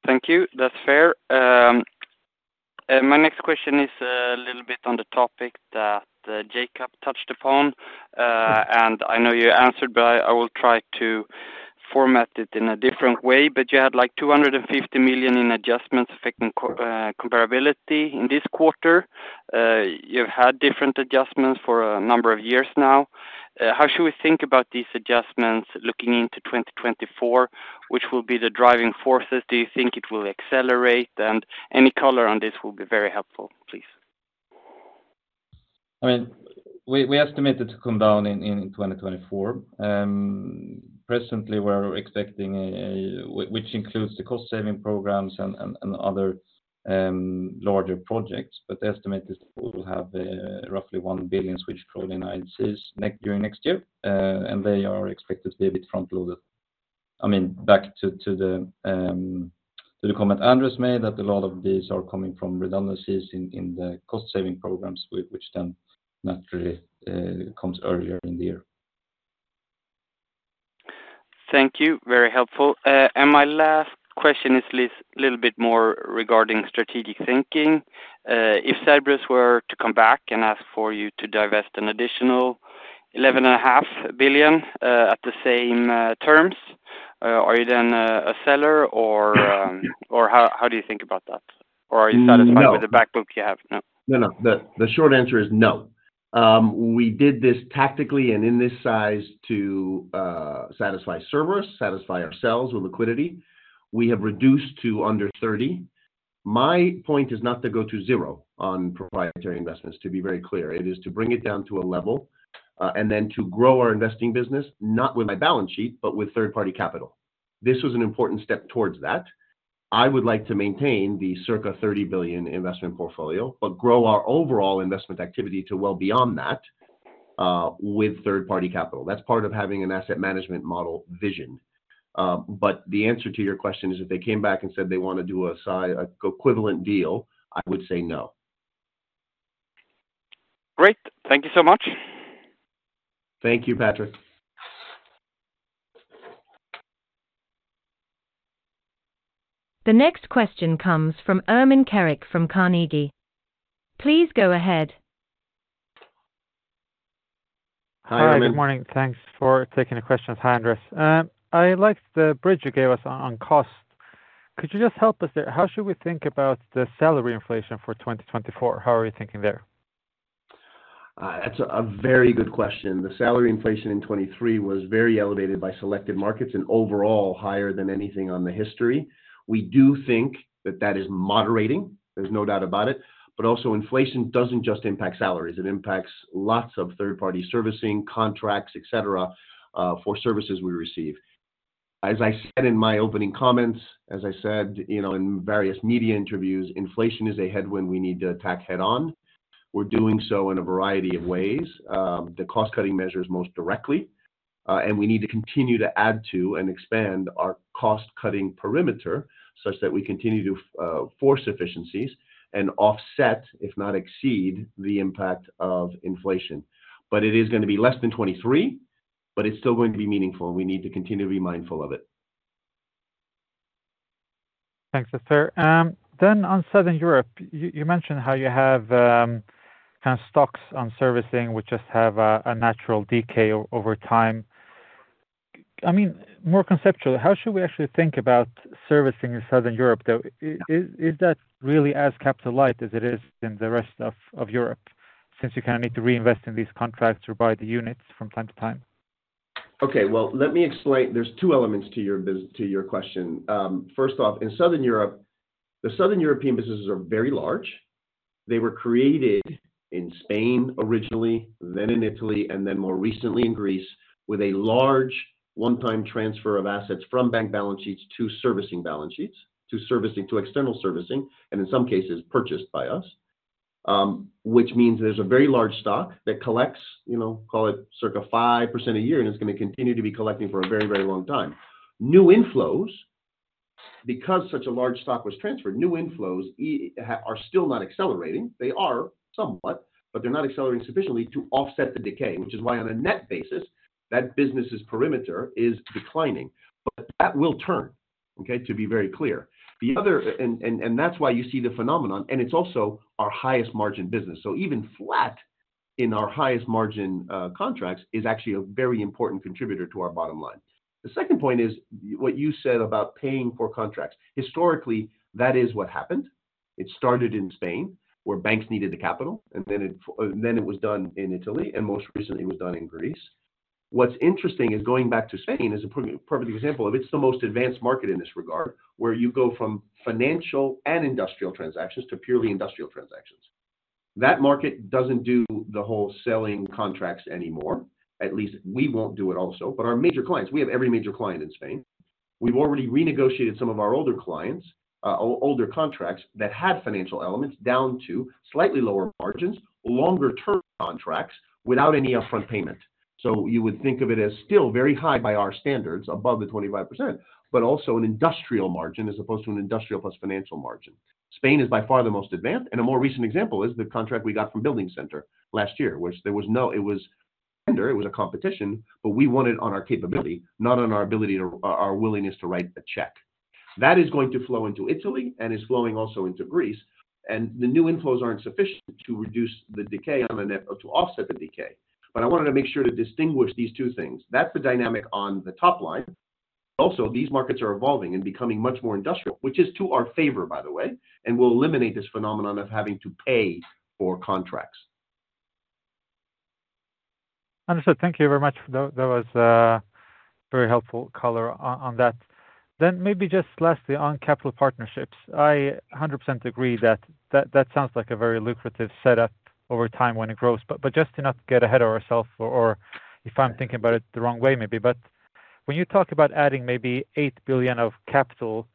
Thank you. That's fair. My next question is, little bit on the topic that Jacob touched upon. And I know you answered, but I will try to format it in a different way. But you had, like, 250 million in adjustments affecting comparability in this quarter. You've had different adjustments for a number of years now. How should we think about these adjustments looking into 2024? Which will be the driving forces? Do you think it will accelerate? And any color on this will be very helpful, please. I mean, we estimate it to come down in 2024. Presently, we're expecting a, which includes the cost saving programs and other larger projects, but the estimate is we will have roughly 1 billion rolling in cash next, during next year. And they are expected to be a bit front-loaded. I mean, back to the comment Andrés made, that a lot of these are coming from redundancies in the cost saving programs, which then naturally comes earlier in the year. Thank you. Very helpful. And my last question is a little bit more regarding strategic thinking. If Cerberus were to come back and ask for you to divest an additional 11.5 billion, at the same terms, are you then a seller or- Yeah... or how, how do you think about that? Or are you satisfied- No... with the back book you have? No. No, no. The short answer is no. We did this tactically and in this size to satisfy investors, satisfy ourselves with liquidity. We have reduced to under 30 billion. My point is not to go to zero on proprietary investments, to be very clear. It is to bring it down to a level, and then to grow our investing business, not with my balance sheet, but with third-party capital. This was an important step towards that. I would like to maintain the circa 30 billion investment portfolio, but grow our overall investment activity to well beyond that, with third-party capital. That's part of having an asset management model vision. But the answer to your question is if they came back and said they wanna do an equivalent deal, I would say no. Great. Thank you so much. Thank you, Patrik. The next question comes from Ermin Keric from Carnegie. Please go ahead. Hi, Ermin. Hi, good morning. Thanks for taking the questions. Hi, Andrés. I liked the bridge you gave us on, on costs. Could you just help us there? How should we think about the salary inflation for 2024? How are you thinking there? That's a very good question. The salary inflation in 2023 was very elevated by selected markets and overall higher than anything in the history. We do think that that is moderating, there's no doubt about it. But also inflation doesn't just impact salaries, it impacts lots of third-party servicing, contracts, etc., for services we receive. As I said in my opening comments, as I said, you know, in various media interviews, inflation is a headwind we need to attack head-on. We're doing so in a variety of ways. The cost-cutting measures most directly, and we need to continue to add to and expand our cost-cutting perimeter such that we continue to force efficiencies and offset, if not exceed, the impact of inflation. But it is gonna be less than 2023, but it's still going to be meaningful, and we need to continue to be mindful of it. Thanks, Andrés. Then on Southern Europe, you mentioned how you have kind of stocks on servicing, which just have a natural decay over time. I mean, more conceptually, how should we actually think about servicing in Southern Europe, though? Is that really as capital light as it is in the rest of Europe, since you kind of need to reinvest in these contracts to buy the units from time to time? Okay, well, let me explain. There's two elements to your question. First off, in Southern Europe, the Southern European businesses are very large. They were created in Spain originally, then in Italy, and then more recently in Greece, with a large one-time transfer of assets from bank balance sheets to servicing balance sheets, to external servicing, and in some cases, purchased by us. Which means there's a very large stock that collects, you know, call it circa 5% a year, and it's gonna continue to be collecting for a very, very long time. New inflows, because such a large stock was transferred, new inflows are still not accelerating. They are somewhat, but they're not accelerating sufficiently to offset the decay, which is why on a net basis, that business's perimeter is declining. But that will turn, okay, to be very clear. That's why you see the phenomenon, and it's also our highest margin business. So even flat in our highest margin contracts is actually a very important contributor to our bottom line. The second point is what you said about paying for contracts. Historically, that is what happened. It started in Spain, where banks needed the capital, and then it was done in Italy, and most recently it was done in Greece. What's interesting is going back to Spain as a pretty perfect example of it, it's the most advanced market in this regard, where you go from financial and industrial transactions to purely industrial transactions. That market doesn't do the whole selling contracts anymore. At least we won't do it also, but our major clients, we have every major client in Spain. We've already renegotiated some of our older clients, older contracts that had financial elements down to slightly lower margins, longer-term contracts, without any upfront payment. So you would think of it as still very high by our standards, above the 25%, but also an industrial margin as opposed to an industrial plus financial margin. Spain is by far the most advanced, and a more recent example is the contract we got from BuildingCenter last year, which there was no, it was tender, it was a competition, but we won it on our capability, not on our ability to, our willingness to write a check. That is going to flow into Italy and is flowing also into Greece, and the new inflows aren't sufficient to reduce the decay on the net or to offset the decay. But I wanted to make sure to distinguish these two things. That's the dynamic on the top line. Also, these markets are evolving and becoming much more industrial, which is to our favor, by the way, and will eliminate this phenomenon of having to pay for contracts. Understood. Thank you very much. That was a very helpful color on that. Then maybe just lastly on capital partnerships. I 100% agree that sounds like a very lucrative setup over time when it grows. But just to not get ahead of ourselves or if I'm thinking about it the wrong way, maybe, but when you talk about adding maybe 8 billion of capital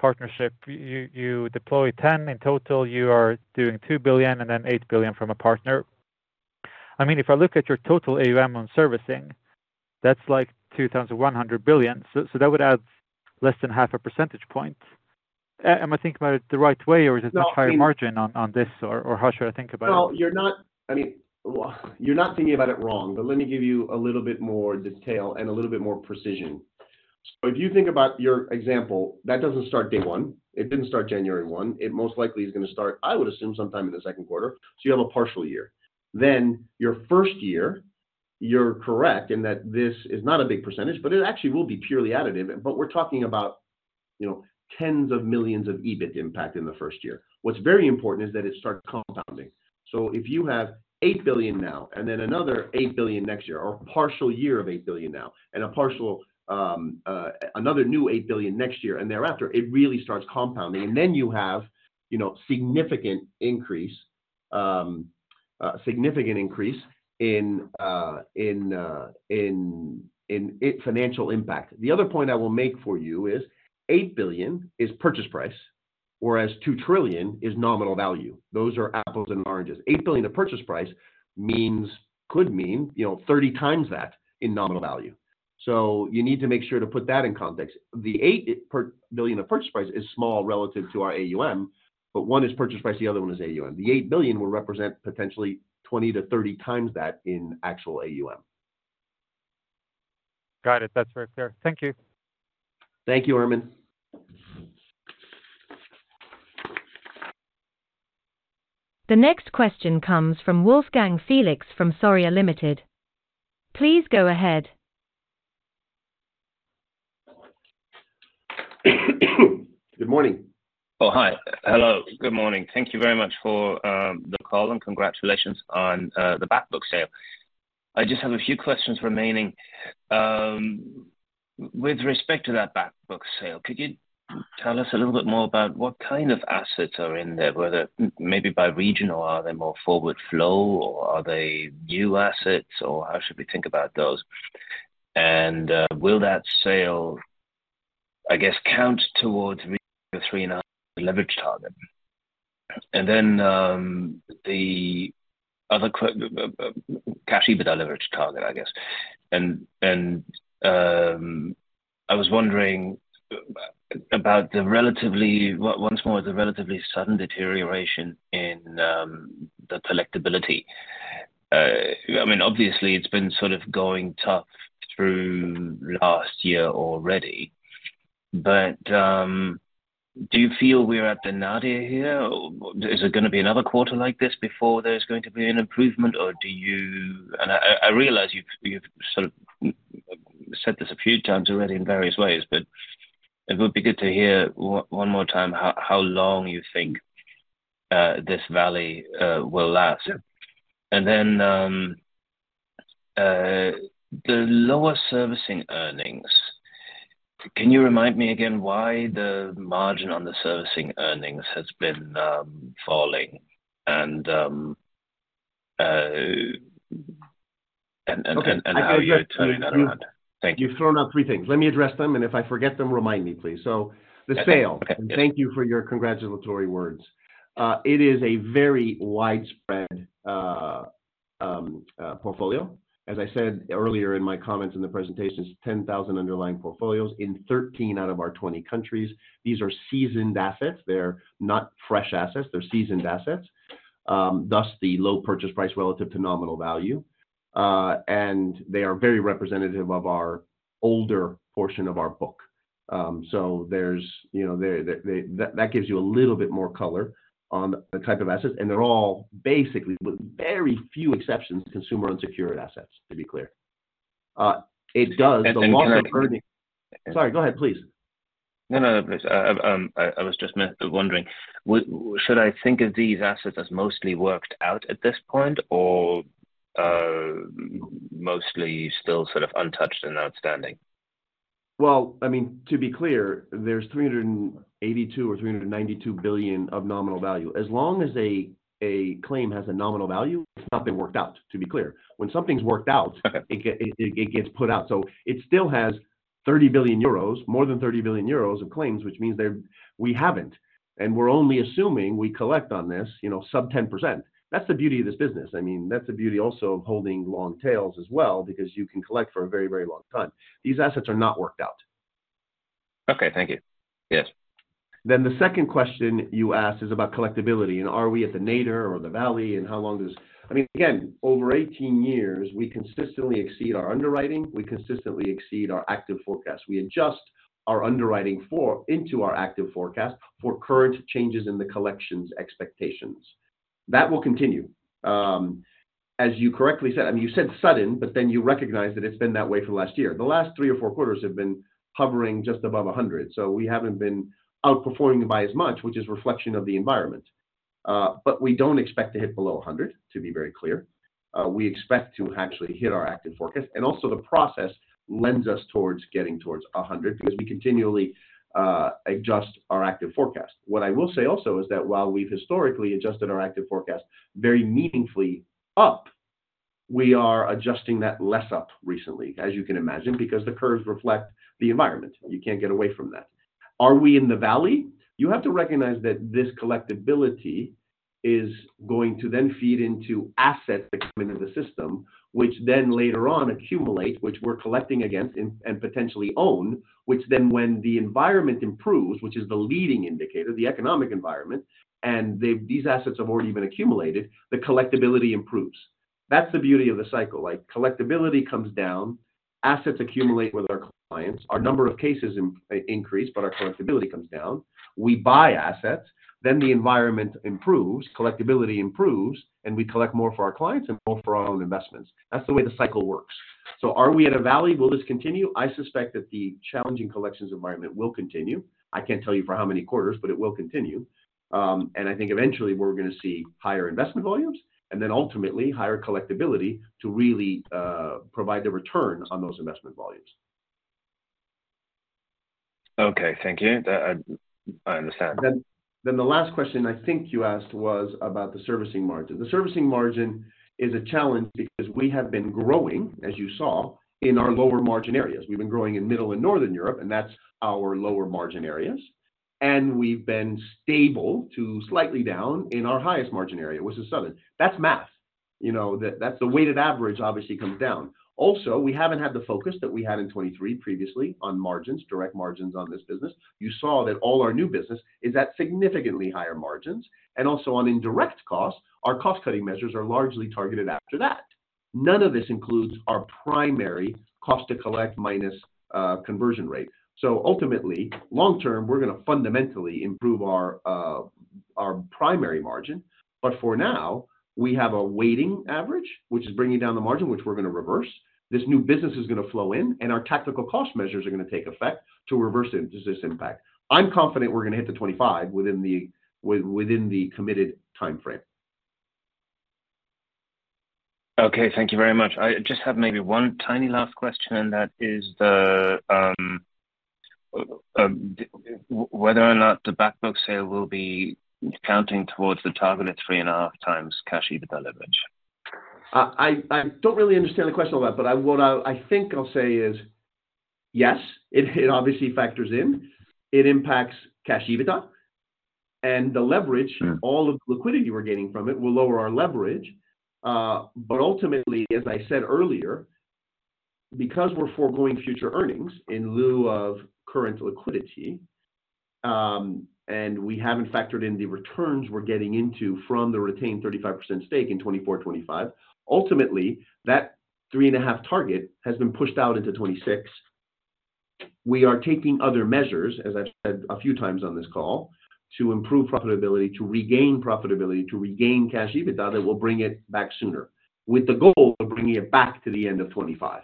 partnership, you deploy 10 billion in total, you are doing 2 billion and then 8 billion from a partner. I mean, if I look at your total AUM on servicing, that's like 2,100 billion. So that would add less than half a percentage point. Am I thinking about it the right way, or is it a higher margin on this, or how should I think about it? No, you're not—I mean, you're not thinking about it wrong, but let me give you a little bit more detail and a little bit more precision. So if you think about your example, that doesn't start day one. It didn't start January 1. It most likely is gonna start, I would assume, sometime in the second quarter, so you have a partial year. Then your first year, you're correct in that this is not a big percentage, but it actually will be purely additive. But we're talking about, you know, tens of millions SEK of EBIT impact in the first year. What's very important is that it starts compounding. So if you have 8 billion now and then another 8 billion next year, or a partial year of 8 billion now and a partial, another new 8 billion next year and thereafter, it really starts compounding. Then you have, you know, significant increase in its financial impact. The other point I will make for you is 8 billion is purchase price, whereas 2 trillion is nominal value. Those are apples and oranges. 8 billion of purchase price means, could mean, you know, 30x that in nominal value. So you need to make sure to put that in context. The 8 billion of purchase price is small relative to our AUM, but one is purchase price, the other one is AUM. The 8 billion will represent potentially 20x-30x that in actual AUM. Got it. That's very clear. Thank you. Thank you, Ermin. The next question comes from Wolfgang Felix from Sarria Limited. Please go ahead. Good morning. Oh, hi. Hello, good morning. Thank you very much for the call, and congratulations on the back book sale. I just have a few questions remaining. With respect to that back book sale, could you tell us a little bit more about what kind of assets are in there, whether maybe by region or are they more forward flow, or are they new assets, or how should we think about those? And, will that sale, I guess, count towards the 3.5 leverage target? And then, the other cash EBITDA leverage target, I guess. And, I was wondering about the relatively... Once more, the relatively sudden deterioration in the collectibility. I mean, obviously, it's been sort of going tough through last year already, but do you feel we're at the nadir here, or is there gonna be another quarter like this before there's going to be an improvement, or do you, and I realize you've sort of said this a few times already in various ways, but it would be good to hear one more time how long you think this valley will last. And then, the lower servicing earnings, can you remind me again why the margin on the servicing earnings has been falling? And how you're turning that around. Thank you. You've thrown out three things. Let me address them, and if I forget them, remind me, please. Okay. So the sale, and thank you for your congratulatory words. It is a very widespread portfolio. As I said earlier in my comments in the presentation, it's 10,000 underlying portfolios in 13 out of our 20 countries. These are seasoned assets. They're not fresh assets, they're seasoned assets, thus the low purchase price relative to nominal value. And they are very representative of our older portion of our book. So there's, you know, that gives you a little bit more color on the type of assets, and they're all basically, with very few exceptions, consumer unsecured assets, to be clear. It does the loss of earnings- Can I- Sorry, go ahead, please. No, no, no, please. I was just wondering, should I think of these assets as mostly worked out at this point or, mostly still sort of untouched and outstanding? Well, I mean, to be clear, there's 382 billion or 392 billion of nominal value. As long as a claim has a nominal value, it's not been worked out, to be clear. When something's worked out- Okay... it gets put out. So it still has 30 billion euros, more than 30 billion euros of claims, which means they're - we haven't, and we're only assuming we collect on this, you know, sub 10%. That's the beauty of this business. I mean, that's the beauty also of holding long tails as well, because you can collect for a very, very long time. These assets are not worked out. Okay. Thank you. Yes. Then the second question you asked is about collectibility and are we at the nadir or the valley, and how long does, I mean, again, over 18 years, we consistently exceed our underwriting. We consistently exceed our active forecast. We adjust our underwriting into our active forecast for current changes in the collections expectations. That will continue. As you correctly said, I mean, you said sudden, but then you recognized that it's been that way for the last year. The last three or four quarters have been hovering just above 100, so we haven't been outperforming by as much, which is a reflection of the environment. But we don't expect to hit below 100, to be very clear. We expect to actually hit our active forecast, and also the process lends us towards getting towards 100, because we continually adjust our active forecast. What I will say also is that while we've historically adjusted our active forecast very meaningfully up, we are adjusting that less up recently, as you can imagine, because the curves reflect the environment. You can't get away from that. Are we in the valley? You have to recognize that this collectibility is going to then feed into assets that come into the system, which then later on accumulate, which we're collecting against and potentially own, which then when the environment improves, which is the leading indicator, the economic environment, and these assets have already been accumulated, the collectibility improves. That's the beauty of the cycle. Like, collectibility comes down, assets accumulate with our clients, our number of cases increase, but our collectibility comes down. We buy assets, then the environment improves, collectibility improves, and we collect more for our clients and more for our own investments. That's the way the cycle works. So are we at a valley? Will this continue? I suspect that the challenging collections environment will continue. I can't tell you for how many quarters, but it will continue. And I think eventually we're gonna see higher investment volumes, and then ultimately higher collectibility to really provide the returns on those investment volumes. Okay, thank you. That, I understand. Then the last question I think you asked was about the servicing margin. The servicing margin is a challenge because we have been growing, as you saw, in our lower margin areas. We've been growing in Middle and Northern Europe, and that's our lower margin areas. And we've been stable to slightly down in our highest margin area, which is Southern. That's math. You know, that, that's the weighted average obviously comes down. Also, we haven't had the focus that we had in 2023 previously on margins, direct margins on this business. You saw that all our new business is at significantly higher margins, and also on indirect costs, our cost-cutting measures are largely targeted after that. None of this includes our primary cost to collect minus, conversion rate. So ultimately, long term, we're gonna fundamentally improve our primary margin, but for now, we have a weighted average, which is bringing down the margin, which we're gonna reverse. This new business is gonna flow in, and our tactical cost measures are gonna take effect to reverse it, this impact. I'm confident we're gonna hit the 2025 within the committed timeframe. Okay, thank you very much. I just have maybe one tiny last question, and that is whether or not the back book sale will be counting towards the target at 3.5x cash EBITDA leverage? I don't really understand the question on that, but what I think I'll say is, yes, it obviously factors in. It impacts cash EBITDA, and the leverage- Sure... all the liquidity we're getting from it will lower our leverage. But ultimately, as I said earlier, because we're foregoing future earnings in lieu of current liquidity, and we haven't factored in the returns we're getting into from the retained 35% stake in 2024, 2025, ultimately, that 3.5 target has been pushed out into 2026. We are taking other measures, as I've said a few times on this call, to improve profitability, to regain profitability, to regain cash EBITDA that will bring it back sooner, with the goal of bringing it back to the end of 2025.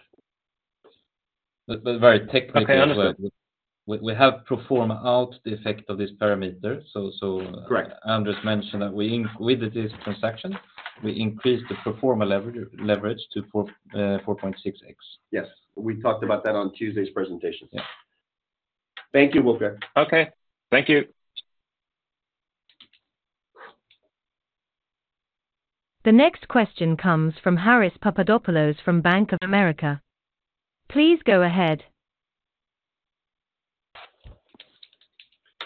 But very technically- Okay, understood... We have phased out the effect of this parameter. So, Correct. Andrés mentioned that with this transaction, we increased the pro forma leverage to 4.6x. Yes. We talked about that on Tuesday's presentation. Yeah. Thank you, Wolfgang. Okay. Thank you. The next question comes from Haris Papadopoulos from Bank of America. Please go ahead.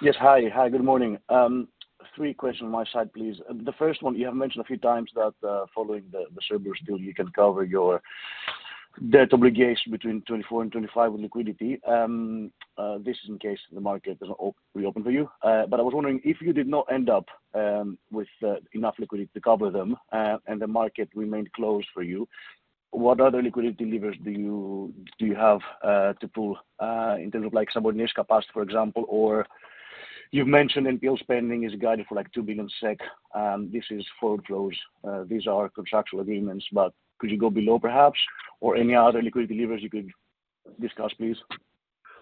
Yes, hi. Hi, good morning. Three questions on my side, please. The first one, you have mentioned a few times that, following the Cerberus deal, you can cover your debt obligation between 2024 and 2025 with liquidity. This is in case the market doesn't reopen for you. But I was wondering, if you did not end up with enough liquidity to cover them, and the market remained closed for you, what other liquidity levers do you have to pull, in terms of like subordination capacity, for example? Or you've mentioned NPL spending is guided for, like, 2 billion SEK, and this is foreclosed. These are contractual agreements, but could you go below perhaps, or any other liquidity levers you could discuss, please?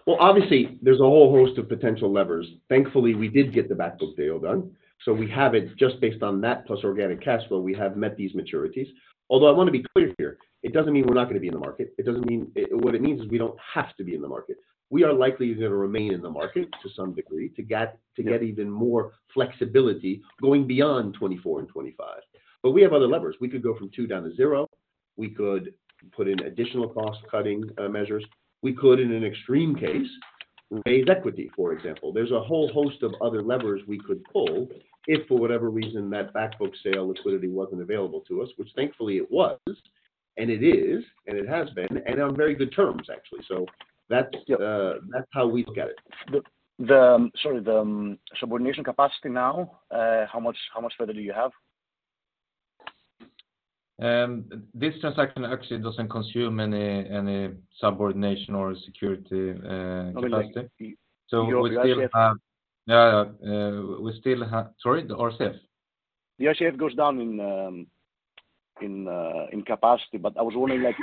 Well, obviously, there's a whole host of potential levers. Thankfully, we did get the back book deal done, so we have it just based on that plus organic cash flow, we have met these maturities. Although I want to be clear here, it doesn't mean we're not gonna be in the market. It doesn't mean... What it means is we don't have to be in the market. We are likely going to remain in the market to some degree, to get even more flexibility going beyond 2024 and 2025. But we have other levers. We could go from two down to zero, we could put in additional cost-cutting measures. We could, in an extreme case, raise equity, for example. There's a whole host of other levers we could pull if, for whatever reason, that back book sale liquidity wasn't available to us, which thankfully it was, and it is, and it has been, and on very good terms, actually. So that's, that's how we look at it. Sorry, the subordination capacity now, how much further do you have? This transaction actually doesn't consume any subordination or security capacity. Okay. So we still have- Your RCF. Yeah, yeah. We still have... Sorry, the RCF? The RCF goes down in capacity, but I was wondering, like,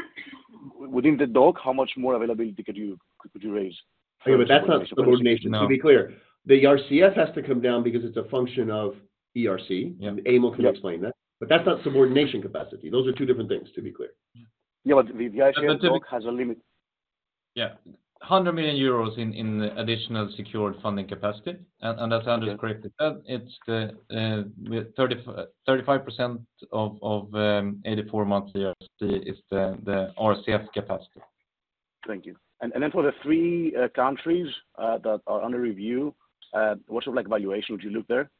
within the doc, how much more availability could you raise? But that's not subordination. No. To be clear, the RCF has to come down because it's a function of ERC. Yeah. Emil can explain that. That's not subordination capacity. Those are two different things, to be clear. Yeah, but the RCF does have a limit. Yeah. 100 million euros in additional secured funding capacity. And as Andrés correctly said, it's the we have 35% of 84 months ERC is the RCF capacity. Thank you. And then for the three countries that are under review, what's your, like, valuation would you look there?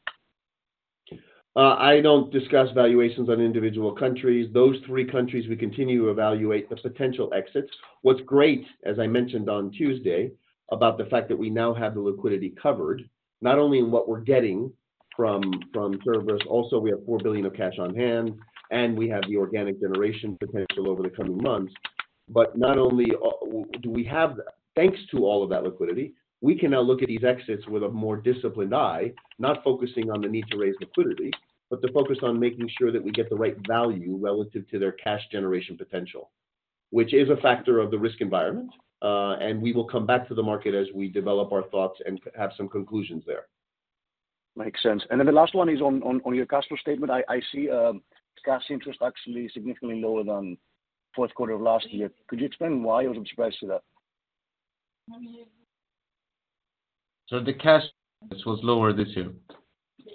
I don't discuss valuations on individual countries. Those three countries, we continue to evaluate the potential exits. What's great, as I mentioned on Tuesday, about the fact that we now have the liquidity covered, not only in what we're getting from Cerberus, also we have 4 billion of cash on hand, and we have the organic generation potential over the coming months. But not only do we have that, thanks to all of that liquidity, we can now look at these exits with a more disciplined eye, not focusing on the need to raise liquidity, but to focus on making sure that we get the right value relative to their cash generation potential, which is a factor of the risk environment. And we will come back to the market as we develop our thoughts and have some conclusions there. Makes sense. And then the last one is on your customer statement. I see cash interest actually significantly lower than fourth quarter of last year. Could you explain why? I was surprised to see that. So the cash was lower this year.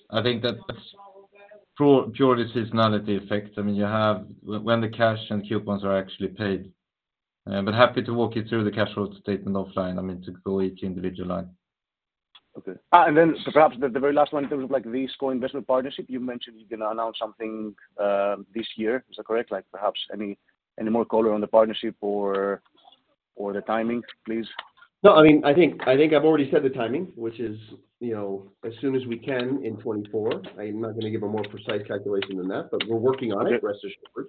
I think that's pure, pure seasonality effect. I mean, you have, when the cash and coupons are actually paid. But happy to walk you through the cash flow statement offline, I mean, to go each individual line. Okay. And then so perhaps the very last one, in terms of like the co-investment partnership, you mentioned you're gonna announce something this year. Is that correct? Like, perhaps any more color on the partnership or the timing, please? No, I mean, I think, I think I've already said the timing, which is, you know, as soon as we can in 2024. I'm not gonna give a more precise calculation than that, but we're working on it, rest assured.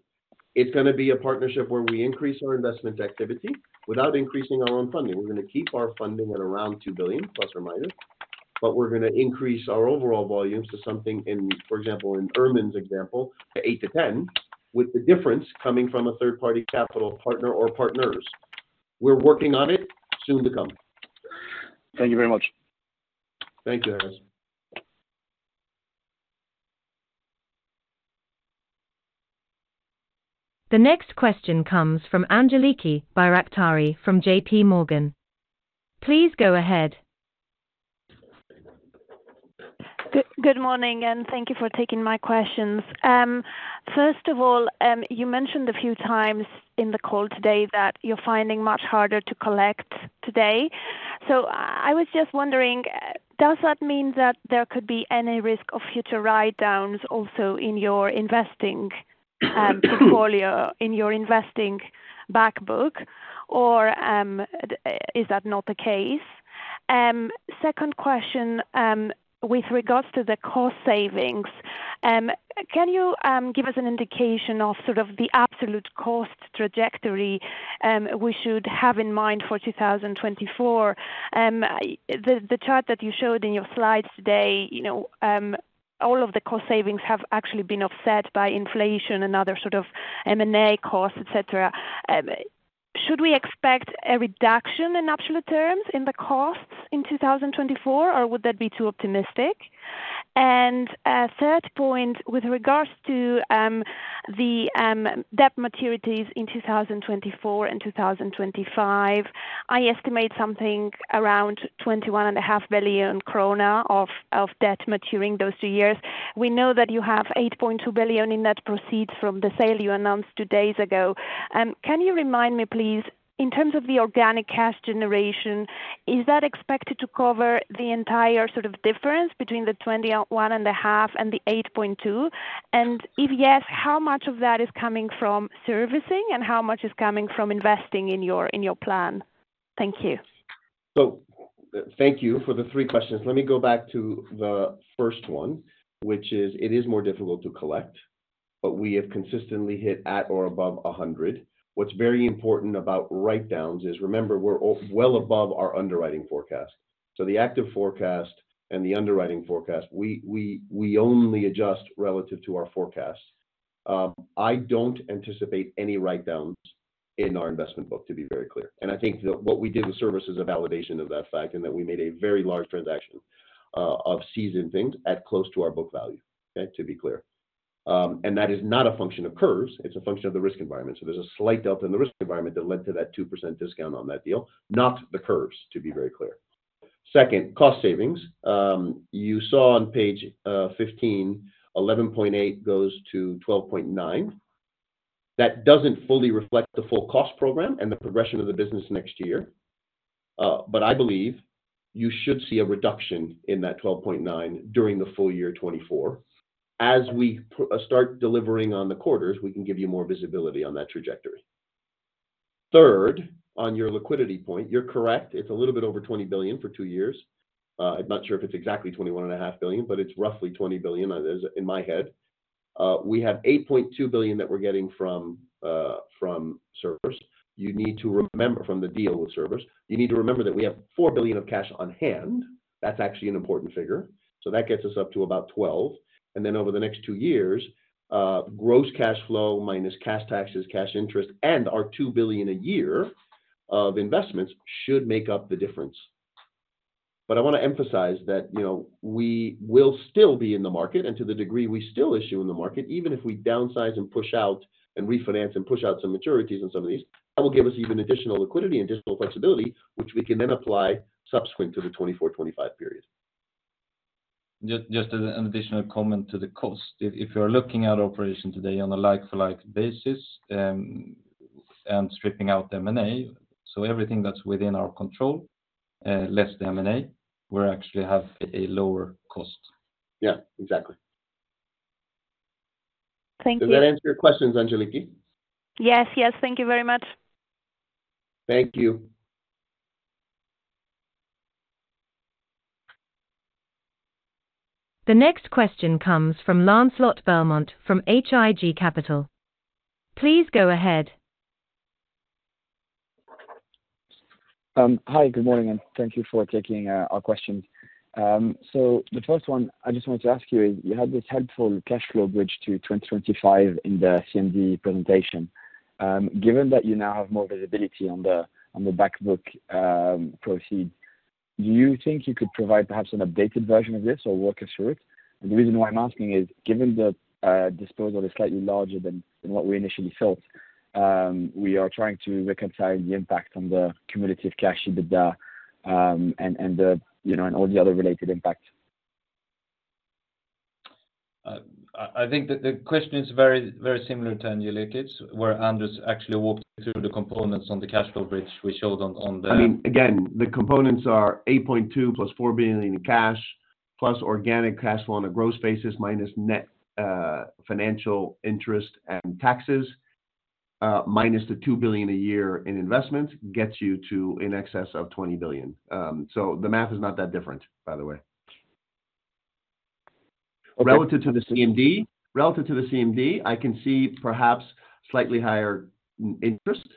It's gonna be a partnership where we increase our investment activity without increasing our own funding. We're gonna keep our funding at around 2 billion±, but we're gonna increase our overall volumes to something in, for example, in Ermin's example, to 8 billion-10 billion, with the difference coming from a third-party capital partner or partners. We're working on it. Soon to come. Thank you very much. Thank you, Haris. The next question comes from Angeliki Bairaktari from J.P. Morgan. Please go ahead. Good morning, and thank you for taking my questions. First of all, you mentioned a few times in the call today that you're finding much harder to collect today. So I was just wondering, does that mean that there could be any risk of future write-downs also in your investing portfolio, in your investing back book, or, is that not the case? Second question, with regards to the cost savings, can you give us an indication of sort of the absolute cost trajectory we should have in mind for 2024? The chart that you showed in your slides today, you know, all of the cost savings have actually been offset by inflation and other sort of M&A costs, etc. Should we expect a reduction in absolute terms in the costs in 2024, or would that be too optimistic? Third point, with regards to the debt maturities in 2024 and 2025, I estimate something around 21.5 billion krona of debt maturing those two years. We know that you have 8.2 billion in net proceeds from the sale you announced two days ago. Can you remind me, please, in terms of the organic cash generation, is that expected to cover the entire sort of difference between the 21.5 and the 8.2? And if yes, how much of that is coming from servicing and how much is coming from investing in your plan? Thank you. So thank you for the three questions. Let me go back to the first one, which is, it is more difficult to collect, but we have consistently hit at or above 100. What's very important about write-downs is, remember, we're well above our underwriting forecast. So the active forecast and the underwriting forecast, we only adjust relative to our forecast. I don't anticipate any write-downs in our investment book, to be very clear. And I think that what we did with servicing is a validation of that fact, and that we made a very large transaction of seasoned things at close to our book value, okay? To be clear. And that is not a function of curves, it's a function of the risk environment. So there's a slight delta in the risk environment that led to that 2% discount on that deal, not the curves, to be very clear. Second, cost savings. You saw on page 15, 11.8 goes to 12.9. That doesn't fully reflect the full cost program and the progression of the business next year. But I believe you should see a reduction in that 12.9 during the full year 2024. As we start delivering on the quarters, we can give you more visibility on that trajectory. Third, on your liquidity point, you're correct, it's a little bit over 20 billion for two years. I'm not sure if it's exactly 21.5 billion, but it's roughly 20 billion. That is in my head. We have 8.2 billion that we're getting from servicing. You need to remember... From the deal with Cerberus. You need to remember that we have 4 billion of cash on hand. That's actually an important figure. So that gets us up to about 12. And then over the next two years, gross cash flow minus cash taxes, cash interest, and our 2 billion a year of investments should make up the difference. But I wanna emphasize that, you know, we will still be in the market, and to the degree we still issue in the market, even if we downsize and push out and refinance and push out some maturities on some of these, that will give us even additional liquidity and additional flexibility, which we can then apply subsequent to the 2024, 2025 period. Just as an additional comment to the cost. If you're looking at operation today on a like-for-like basis, and stripping out M&A, so everything that's within our control, less the M&A, we actually have a lower cost. Yeah, exactly. Thank you. Does that answer your questions, Angeliki? Yes, yes. Thank you very much. Thank you. The next question comes from Lancelot Berlemont from H.I.G. Capital. Please go ahead. Hi, good morning, and thank you for taking our questions. So the first one I just wanted to ask you is, you had this helpful cash flow bridge to 2025 in the CMD presentation. Given that you now have more visibility on the back book proceeds, do you think you could provide perhaps an updated version of this or walk us through it? And the reason why I'm asking is, given the disposal is slightly larger than what we initially felt, we are trying to reconcile the impact on the cumulative cash EBITDA, and the, you know, and all the other related impacts. I think that the question is very, very similar to Angeliki's, where Andrés actually walked through the components on the cash flow bridge we showed on the- I mean, again, the components are 8.2+ SEK 4 billion in cash, plus organic cash flow on a growth basis, minus net, financial interest and taxes, minus the 2 billion a year in investment, gets you to in excess of 20 billion. So the math is not that different, by the way. Okay- Relative to the CMD? Relative to the CMD, I can see perhaps slightly higher margin interest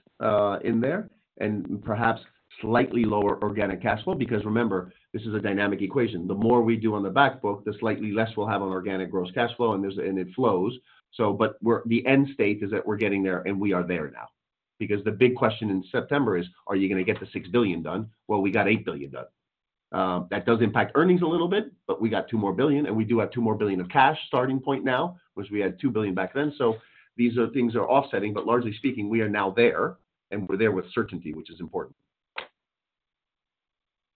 in there, and perhaps slightly lower organic cash flow. Because remember, this is a dynamic equation. The more we do on the back book, the slightly less we'll have on organic gross cash flow, and there's and it flows. So but we're the end state is that we're getting there, and we are there now. Because the big question in September is: Are you gonna get the 6 billion done? Well, we got 8 billion done. That does impact earnings a little bit, but we got 2 billion more, and we do have 2 billion more of cash starting point now, which we had 2 billion back then. So these are things that are offsetting, but largely speaking, we are now there, and we're there with certainty, which is important.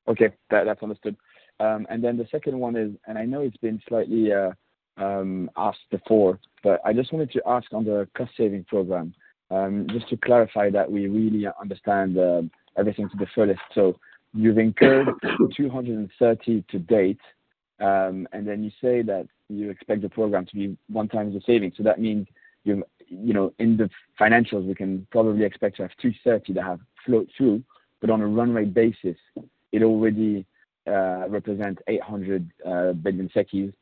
Okay, that's understood. And then the second one is, and I know it's been slightly asked before, but I just wanted to ask on the cost-saving program, just to clarify that we really understand everything to the fullest. So you've incurred 230 to date, and then you say that you expect the program to be one times the saving. So that means you, you know, in the financials, we can probably expect to have 230 that have flowed through, but on a run rate basis, it already represents 800 million,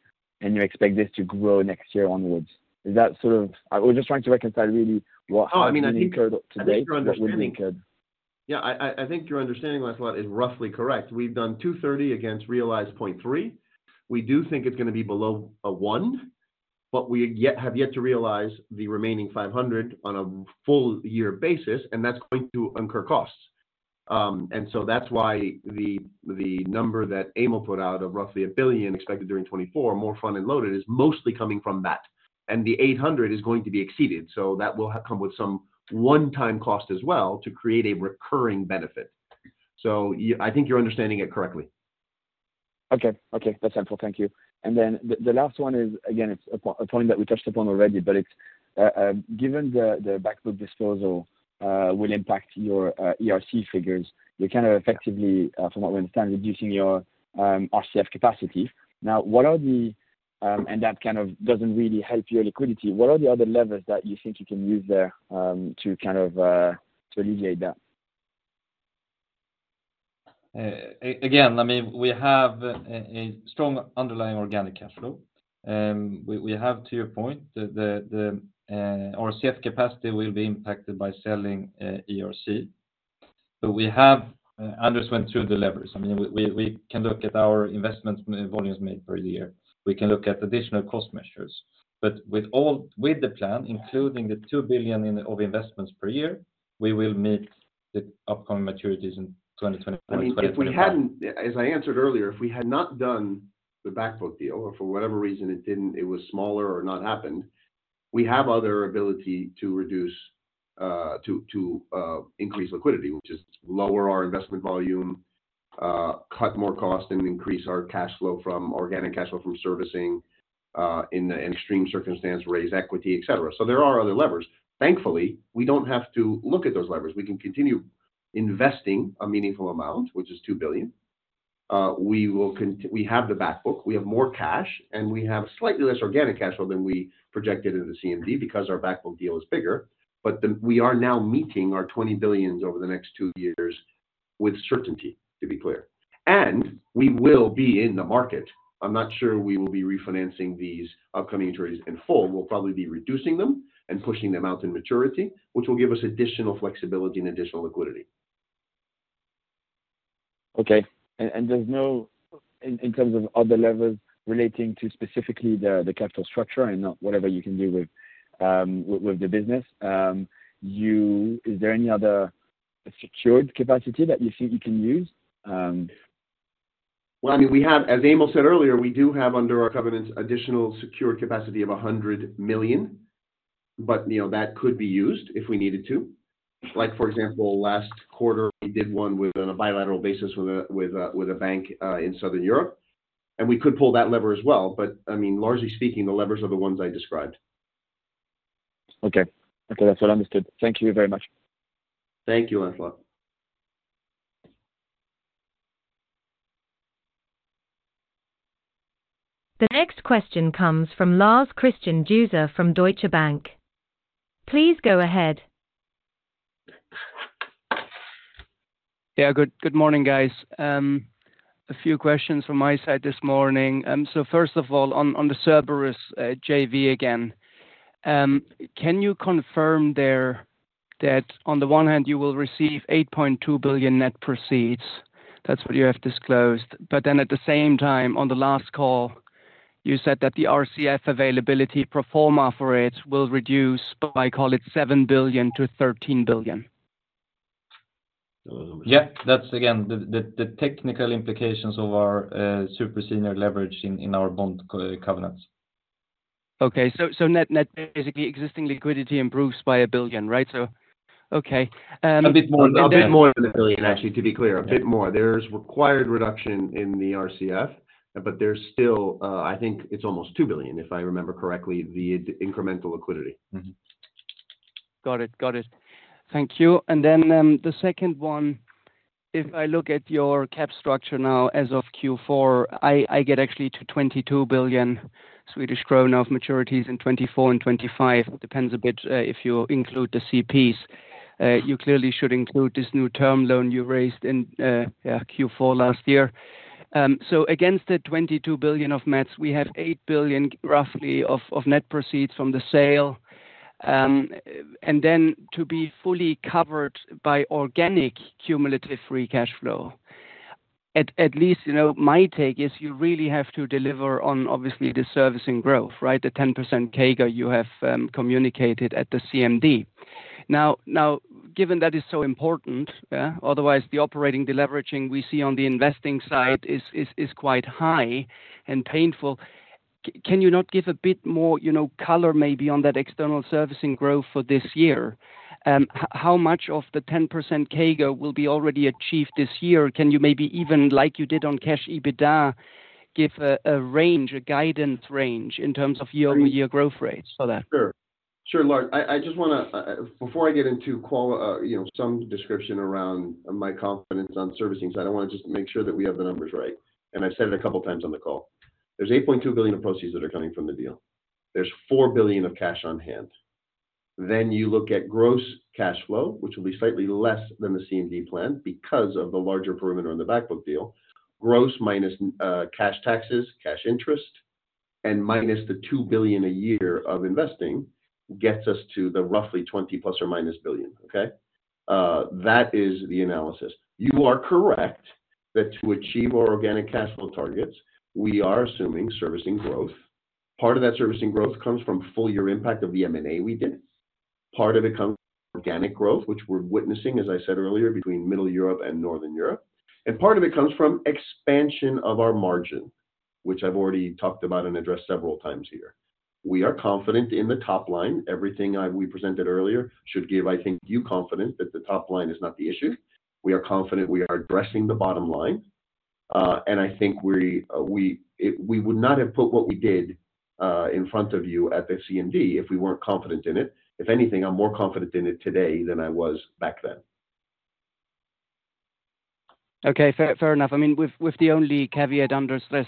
and you expect this to grow next year onwards. Is that sort of... I was just trying to reconcile really what- Oh, I mean, I think- Incurred today, what would be incurred. Yeah, I think your understanding, last one, is roughly correct. We've done 230 against realized 0.3. We do think it's gonna be below a 1, but we have yet to realize the remaining 500 on a full year basis, and that's going to incur costs. And so that's why the number that Emil put out of roughly 1 billion expected during 2024, more front-end loaded, is mostly coming from that. And the 800 million is going to be exceeded, so that will come with some one-time cost as well to create a recurring benefit. So I think you're understanding it correctly. Okay. Okay, that's helpful. Thank you. And then the last one is, again, it's a point that we touched upon already, but it's, given the back book disposal will impact your ERC figures, you're kind of effectively, from what we understand, reducing your RCF capacity. Now, what are the... And that kind of doesn't really help your liquidity. What are the other levers that you think you can use there, to kind of, to alleviate that? Again, I mean, we have a strong underlying organic cash flow. We have, to your point, RCF capacity will be impacted by selling ERC. But we have, Andrés went through the levers. I mean, we can look at our investment volumes made per year. We can look at additional cost measures. But with the plan, including the 2 billion in investments per year, we will meet the upcoming maturities in 2020- I mean, if we hadn't. As I answered earlier, if we had not done the back book deal or for whatever reason, it didn't, it was smaller or not happened, we have other ability to reduce to increase liquidity, which is lower our investment volume, cut more cost, and increase our cash flow from organic cash flow from servicing, in the extreme circumstance, raise equity, et cetera. So there are other levers. Thankfully, we don't have to look at those levers. We can continue investing a meaningful amount, which is 2 billion. We have the back book, we have more cash, and we have slightly less organic cash flow than we projected in the CMD, because our back book deal is bigger. But, we are now meeting our 20 billion over the next two years with certainty, to be clear. We will be in the market. I'm not sure we will be refinancing these upcoming maturities in full. We'll probably be reducing them and pushing them out in maturity, which will give us additional flexibility and additional liquidity. Okay, and there's no... In terms of other levers relating to specifically the capital structure and not whatever you can do with the business, you-- Is there any other secured capacity that you think you can use? Well, I mean, we have, as Emil said earlier, we do have under our covenants, additional secured capacity of 100 million, but, you know, that could be used if we needed to. Like, for example, last quarter, we did one with, on a bilateral basis with a, with a, with a bank in Southern Europe, and we could pull that lever as well. But, I mean, largely speaking, the levers are the ones I described. Okay. Okay, that's well understood. Thank you very much. Thank you, Lancelot. The next question comes from Lars-Kristian Dueser from Deutsche Bank. Please go ahead. Yeah, good, good morning, guys. A few questions from my side this morning. So first of all, on the Cerberus JV again, can you confirm there that on the one hand, you will receive 8.2 billion net proceeds? That's what you have disclosed. But then at the same time, on the last call, you said that the RCF availability pro forma for it will reduce by, call it, 7 billion-13 billion. Yeah, that's again the technical implications of our super senior leverage in our BondCo covenants. Okay, so net net, basically, existing liquidity improves by 1 billion, right? So, okay. A bit more than 1 billion, actually, to be clear. A bit more. There's required reduction in the RCF, but there's still, I think it's almost 2 billion, if I remember correctly, the incremental liquidity. Mm-hmm. Got it. Got it. Thank you. And then, the second one, if I look at your cap structure now, as of Q4, I get actually to 22 billion Swedish krona of maturities in 2024 and 2025. It depends a bit, if you include the CPs. You clearly should include this new term loan you raised in, yeah, Q4 last year. So against the 22 billion of mats, we had 8 billion, roughly, of net proceeds from the sale. And then to be fully covered by organic cumulative free cash flow, at least, you know, my take is you really have to deliver on obviously, the servicing growth, right? The 10% CAGR you have, communicated at the CMD. Now, given that is so important, otherwise, the operating deleveraging we see on the investing side is quite high and painful. Can you not give a bit more, you know, color maybe on that external servicing growth for this year? How much of the 10% CAGR will be already achieved this year? Can you maybe even, like you did on cash EBITDA, give a range, a guidance range in terms of year-over-year growth rates for that? Sure. Sure, Lars. I, I just wanna, before I get into qual, you know, some description around my confidence on servicing side, I wanna just make sure that we have the numbers right. I've said it a couple of times on the call. There's 8.2 billion of proceeds that are coming from the deal. There's 4 billion of cash on hand. Then you look at gross cash flow, which will be slightly less than the CMD plan because of the larger perimeter on the back book deal. Gross minus cash taxes, cash interest, and minus the 2 billion a year of investing, gets us to the roughly 20 billion±, okay? That is the analysis. You are correct, that to achieve our organic cash flow targets, we are assuming servicing growth. Part of that servicing growth comes from full year impact of the M&A we did. Part of it comes from organic growth, which we're witnessing, as I said earlier, between Middle Europe and Northern Europe, and part of it comes from expansion of our margin, which I've already talked about and addressed several times here. We are confident in the top line. Everything we presented earlier should give, I think, you confidence that the top line is not the issue. We are confident we are addressing the bottom line, and I think we would not have put what we did in front of you at the CMD if we weren't confident in it. If anything, I'm more confident in it today than I was back then. Okay, fair, fair enough. I mean, with the only caveat under stress,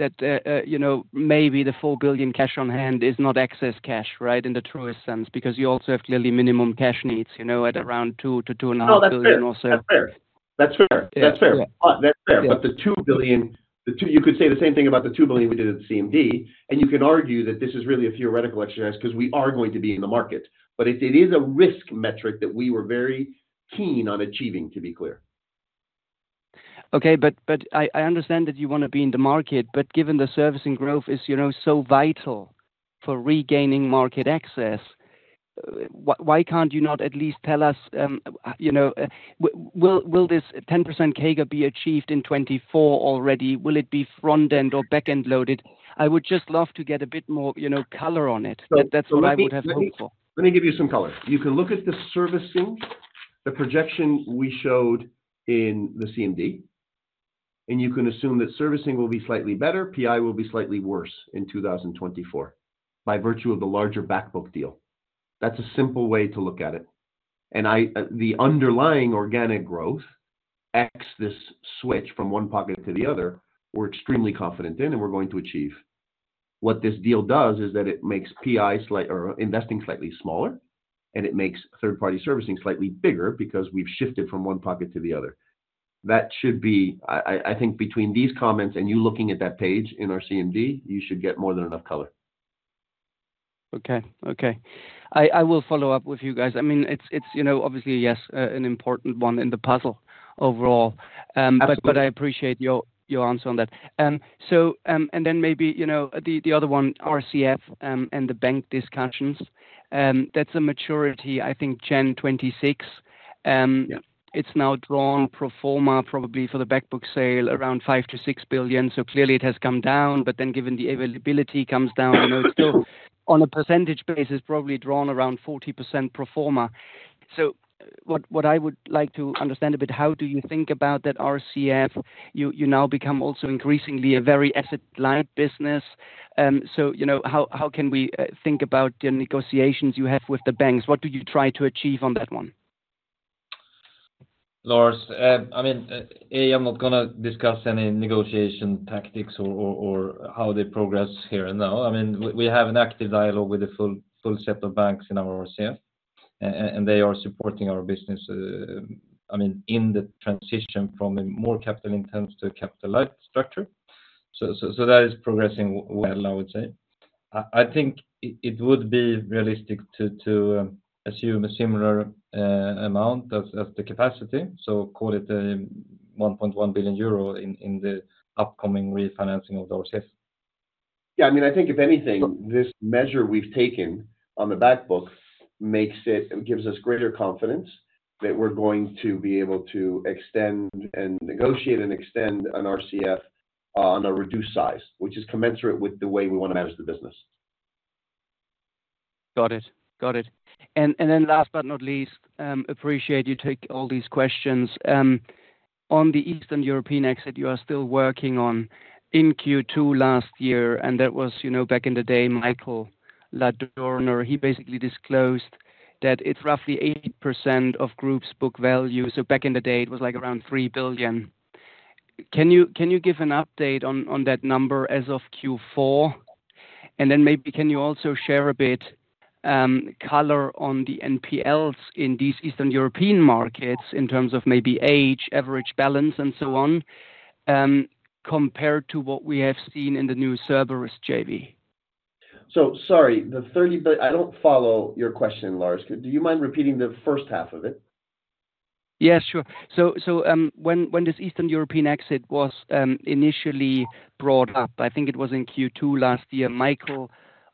that you know, maybe the 4 billion cash on hand is not excess cash, right, in the truest sense, because you also have clearly minimum cash needs, you know, at around 2 billion-2.5 billion or so. No, that's fair. That's fair. That's fair. That's fair. Yes. That's fair. Yes. But the 2 billion, you could say the same thing about the 2 billion we did at the CMD, and you can argue that this is really a theoretical exercise because we are going to be in the market. But it is a risk metric that we were very keen on achieving, to be clear. Okay, I understand that you wanna be in the market, but given the servicing growth is, you know, so vital for regaining market access, why can't you not at least tell us, you know, will this 10% CAGR be achieved in 2024 already? Will it be front-end or back-end loaded? I would just love to get a bit more, you know, color on it. That's what I would have hoped for. Let me give you some color. You can look at the servicing, the projection we showed in the CMD, and you can assume that servicing will be slightly better, PI will be slightly worse in 2024, by virtue of the larger back book deal. That's a simple way to look at it. And the underlying organic growth, ex this switch from one pocket to the other, we're extremely confident in and we're going to achieve. What this deal does is that it makes PI or investing slightly smaller, and it makes third-party servicing slightly bigger because we've shifted from one pocket to the other. That should be... I think between these comments and you looking at that page in our CMD, you should get more than enough color. Okay. Okay. I, I will follow up with you guys. I mean, it's, it's, you know, obviously, yes, an important one in the puzzle overall. Absolutely. But I appreciate your answer on that. So, and then maybe, you know, the other one, RCF, and the bank discussions, that's a maturity, I think, in 2026. Yeah. It's now drawn pro forma, probably for the back book sale, around 5 billion-6 billion. So clearly it has come down, but then given the availability comes down, still, on a percentage basis, probably drawn around 40% pro forma. So what, what I would like to understand a bit, how do you think about that RCF? You, you now become also increasingly a very asset light business. So you know, how, how can we think about the negotiations you have with the banks? What do you try to achieve on that one? Lars, I mean, I'm not gonna discuss any negotiation tactics or how they progress here and now. I mean, we have an active dialogue with the full set of banks in our RCF. And they are supporting our business, I mean, in the transition from a more capital-intensive to a capital-light structure. So that is progressing well, I would say. I think it would be realistic to assume a similar amount as the capacity, so call it 1.1 billion euro in the upcoming refinancing of the RCF. Yeah, I mean, I think if anything, this measure we've taken on the back book makes it, gives us greater confidence that we're going to be able to extend and negotiate and extend an RCF on a reduced size, which is commensurate with the way we wanna manage the business. Got it. Got it. And, and then last but not least, appreciate you taking all these questions. On the Eastern European exit you are still working on, in Q2 last year, and that was, you know, back in the day, Michael Ladurner, he basically disclosed that it's roughly 80% of group's book value. So back in the day, it was, like, around 3 billion. Can you, can you give an update on, on that number as of Q4? And then maybe can you also share a bit, color on the NPLs in these Eastern European markets in terms of maybe age, average balance, and so on, compared to what we have seen in the new Cerberus JV? So sorry, I don't follow your question, Lars. Do you mind repeating the first half of it? Yeah, sure. So, when this Eastern European exit was initially brought up, I think it was in Q2 last year, Michael,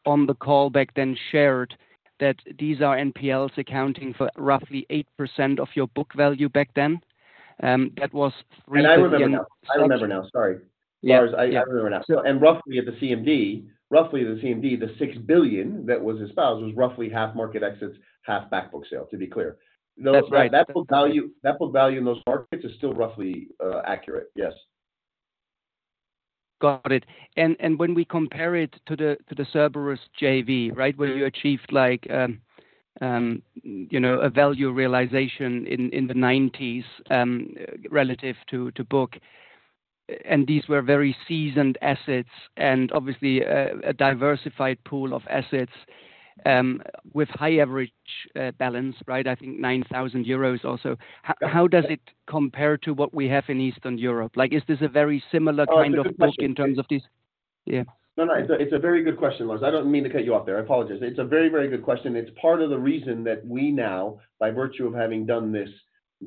on the call back then, shared that these are NPLs accounting for roughly 8% of your book value back then. That was three- I remember now. I remember now, sorry. Yeah. Lars, I, I remember now. Roughly at the CMD, roughly at the CMD, the 6 billion that was espoused was roughly half market exits, half back book sale, to be clear. That's right. That book value, that book value in those markets is still roughly accurate, yes. Got it. And when we compare it to the Cerberus JV, right? Where you achieved like, you know, a value realization in the 90s, relative to book, and these were very seasoned assets and obviously a diversified pool of assets with high average balance, right? I think 9,000 euros also. How does it compare to what we have in Eastern Europe? Like, is this a very similar kind of book in terms of this? Yeah. No, no, it's a, it's a very good question, Lars. I don't mean to cut you off there. I apologize. It's a very, very good question. It's part of the reason that we now, by virtue of having done this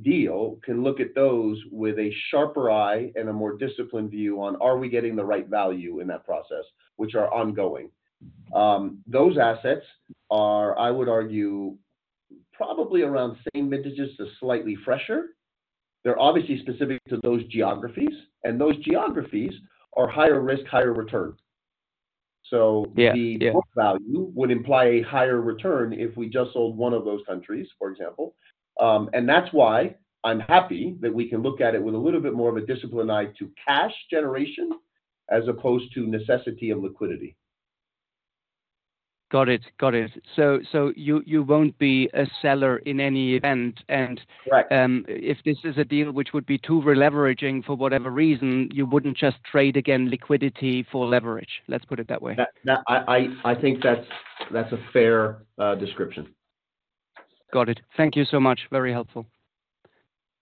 deal, can look at those with a sharper eye and a more disciplined view on, are we getting the right value in that process, which are ongoing. Those assets are, I would argue, probably around same vintages to slightly fresher. They're obviously specific to those geographies, and those geographies are higher risk, higher return. Yeah, yeah. So the book value would imply a higher return if we just sold one of those countries, for example. And that's why I'm happy that we can look at it with a little bit more of a disciplined eye to cash generation as opposed to necessity of liquidity. Got it. Got it. So you won't be a seller in any event and- Right. If this is a deal which would be too re-leveraging for whatever reason, you wouldn't just trade again liquidity for leverage, let's put it that way. That I think that's a fair description. Got it. Thank you so much. Very helpful.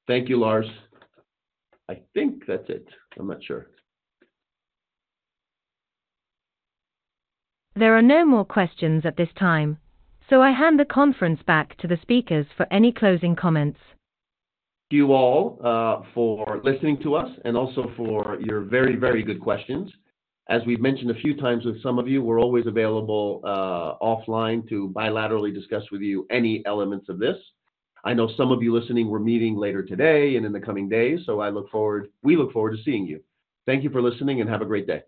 Thank you, Lars. I think that's it. I'm not sure. There are no more questions at this time, so I hand the conference back to the speakers for any closing comments. Thank you all for listening to us and also for your very, very good questions. As we've mentioned a few times with some of you, we're always available, offline to bilaterally discuss with you any elements of this. I know some of you listening, we're meeting later today and in the coming days, so I look forward - we look forward to seeing you. Thank you for listening, and have a great day.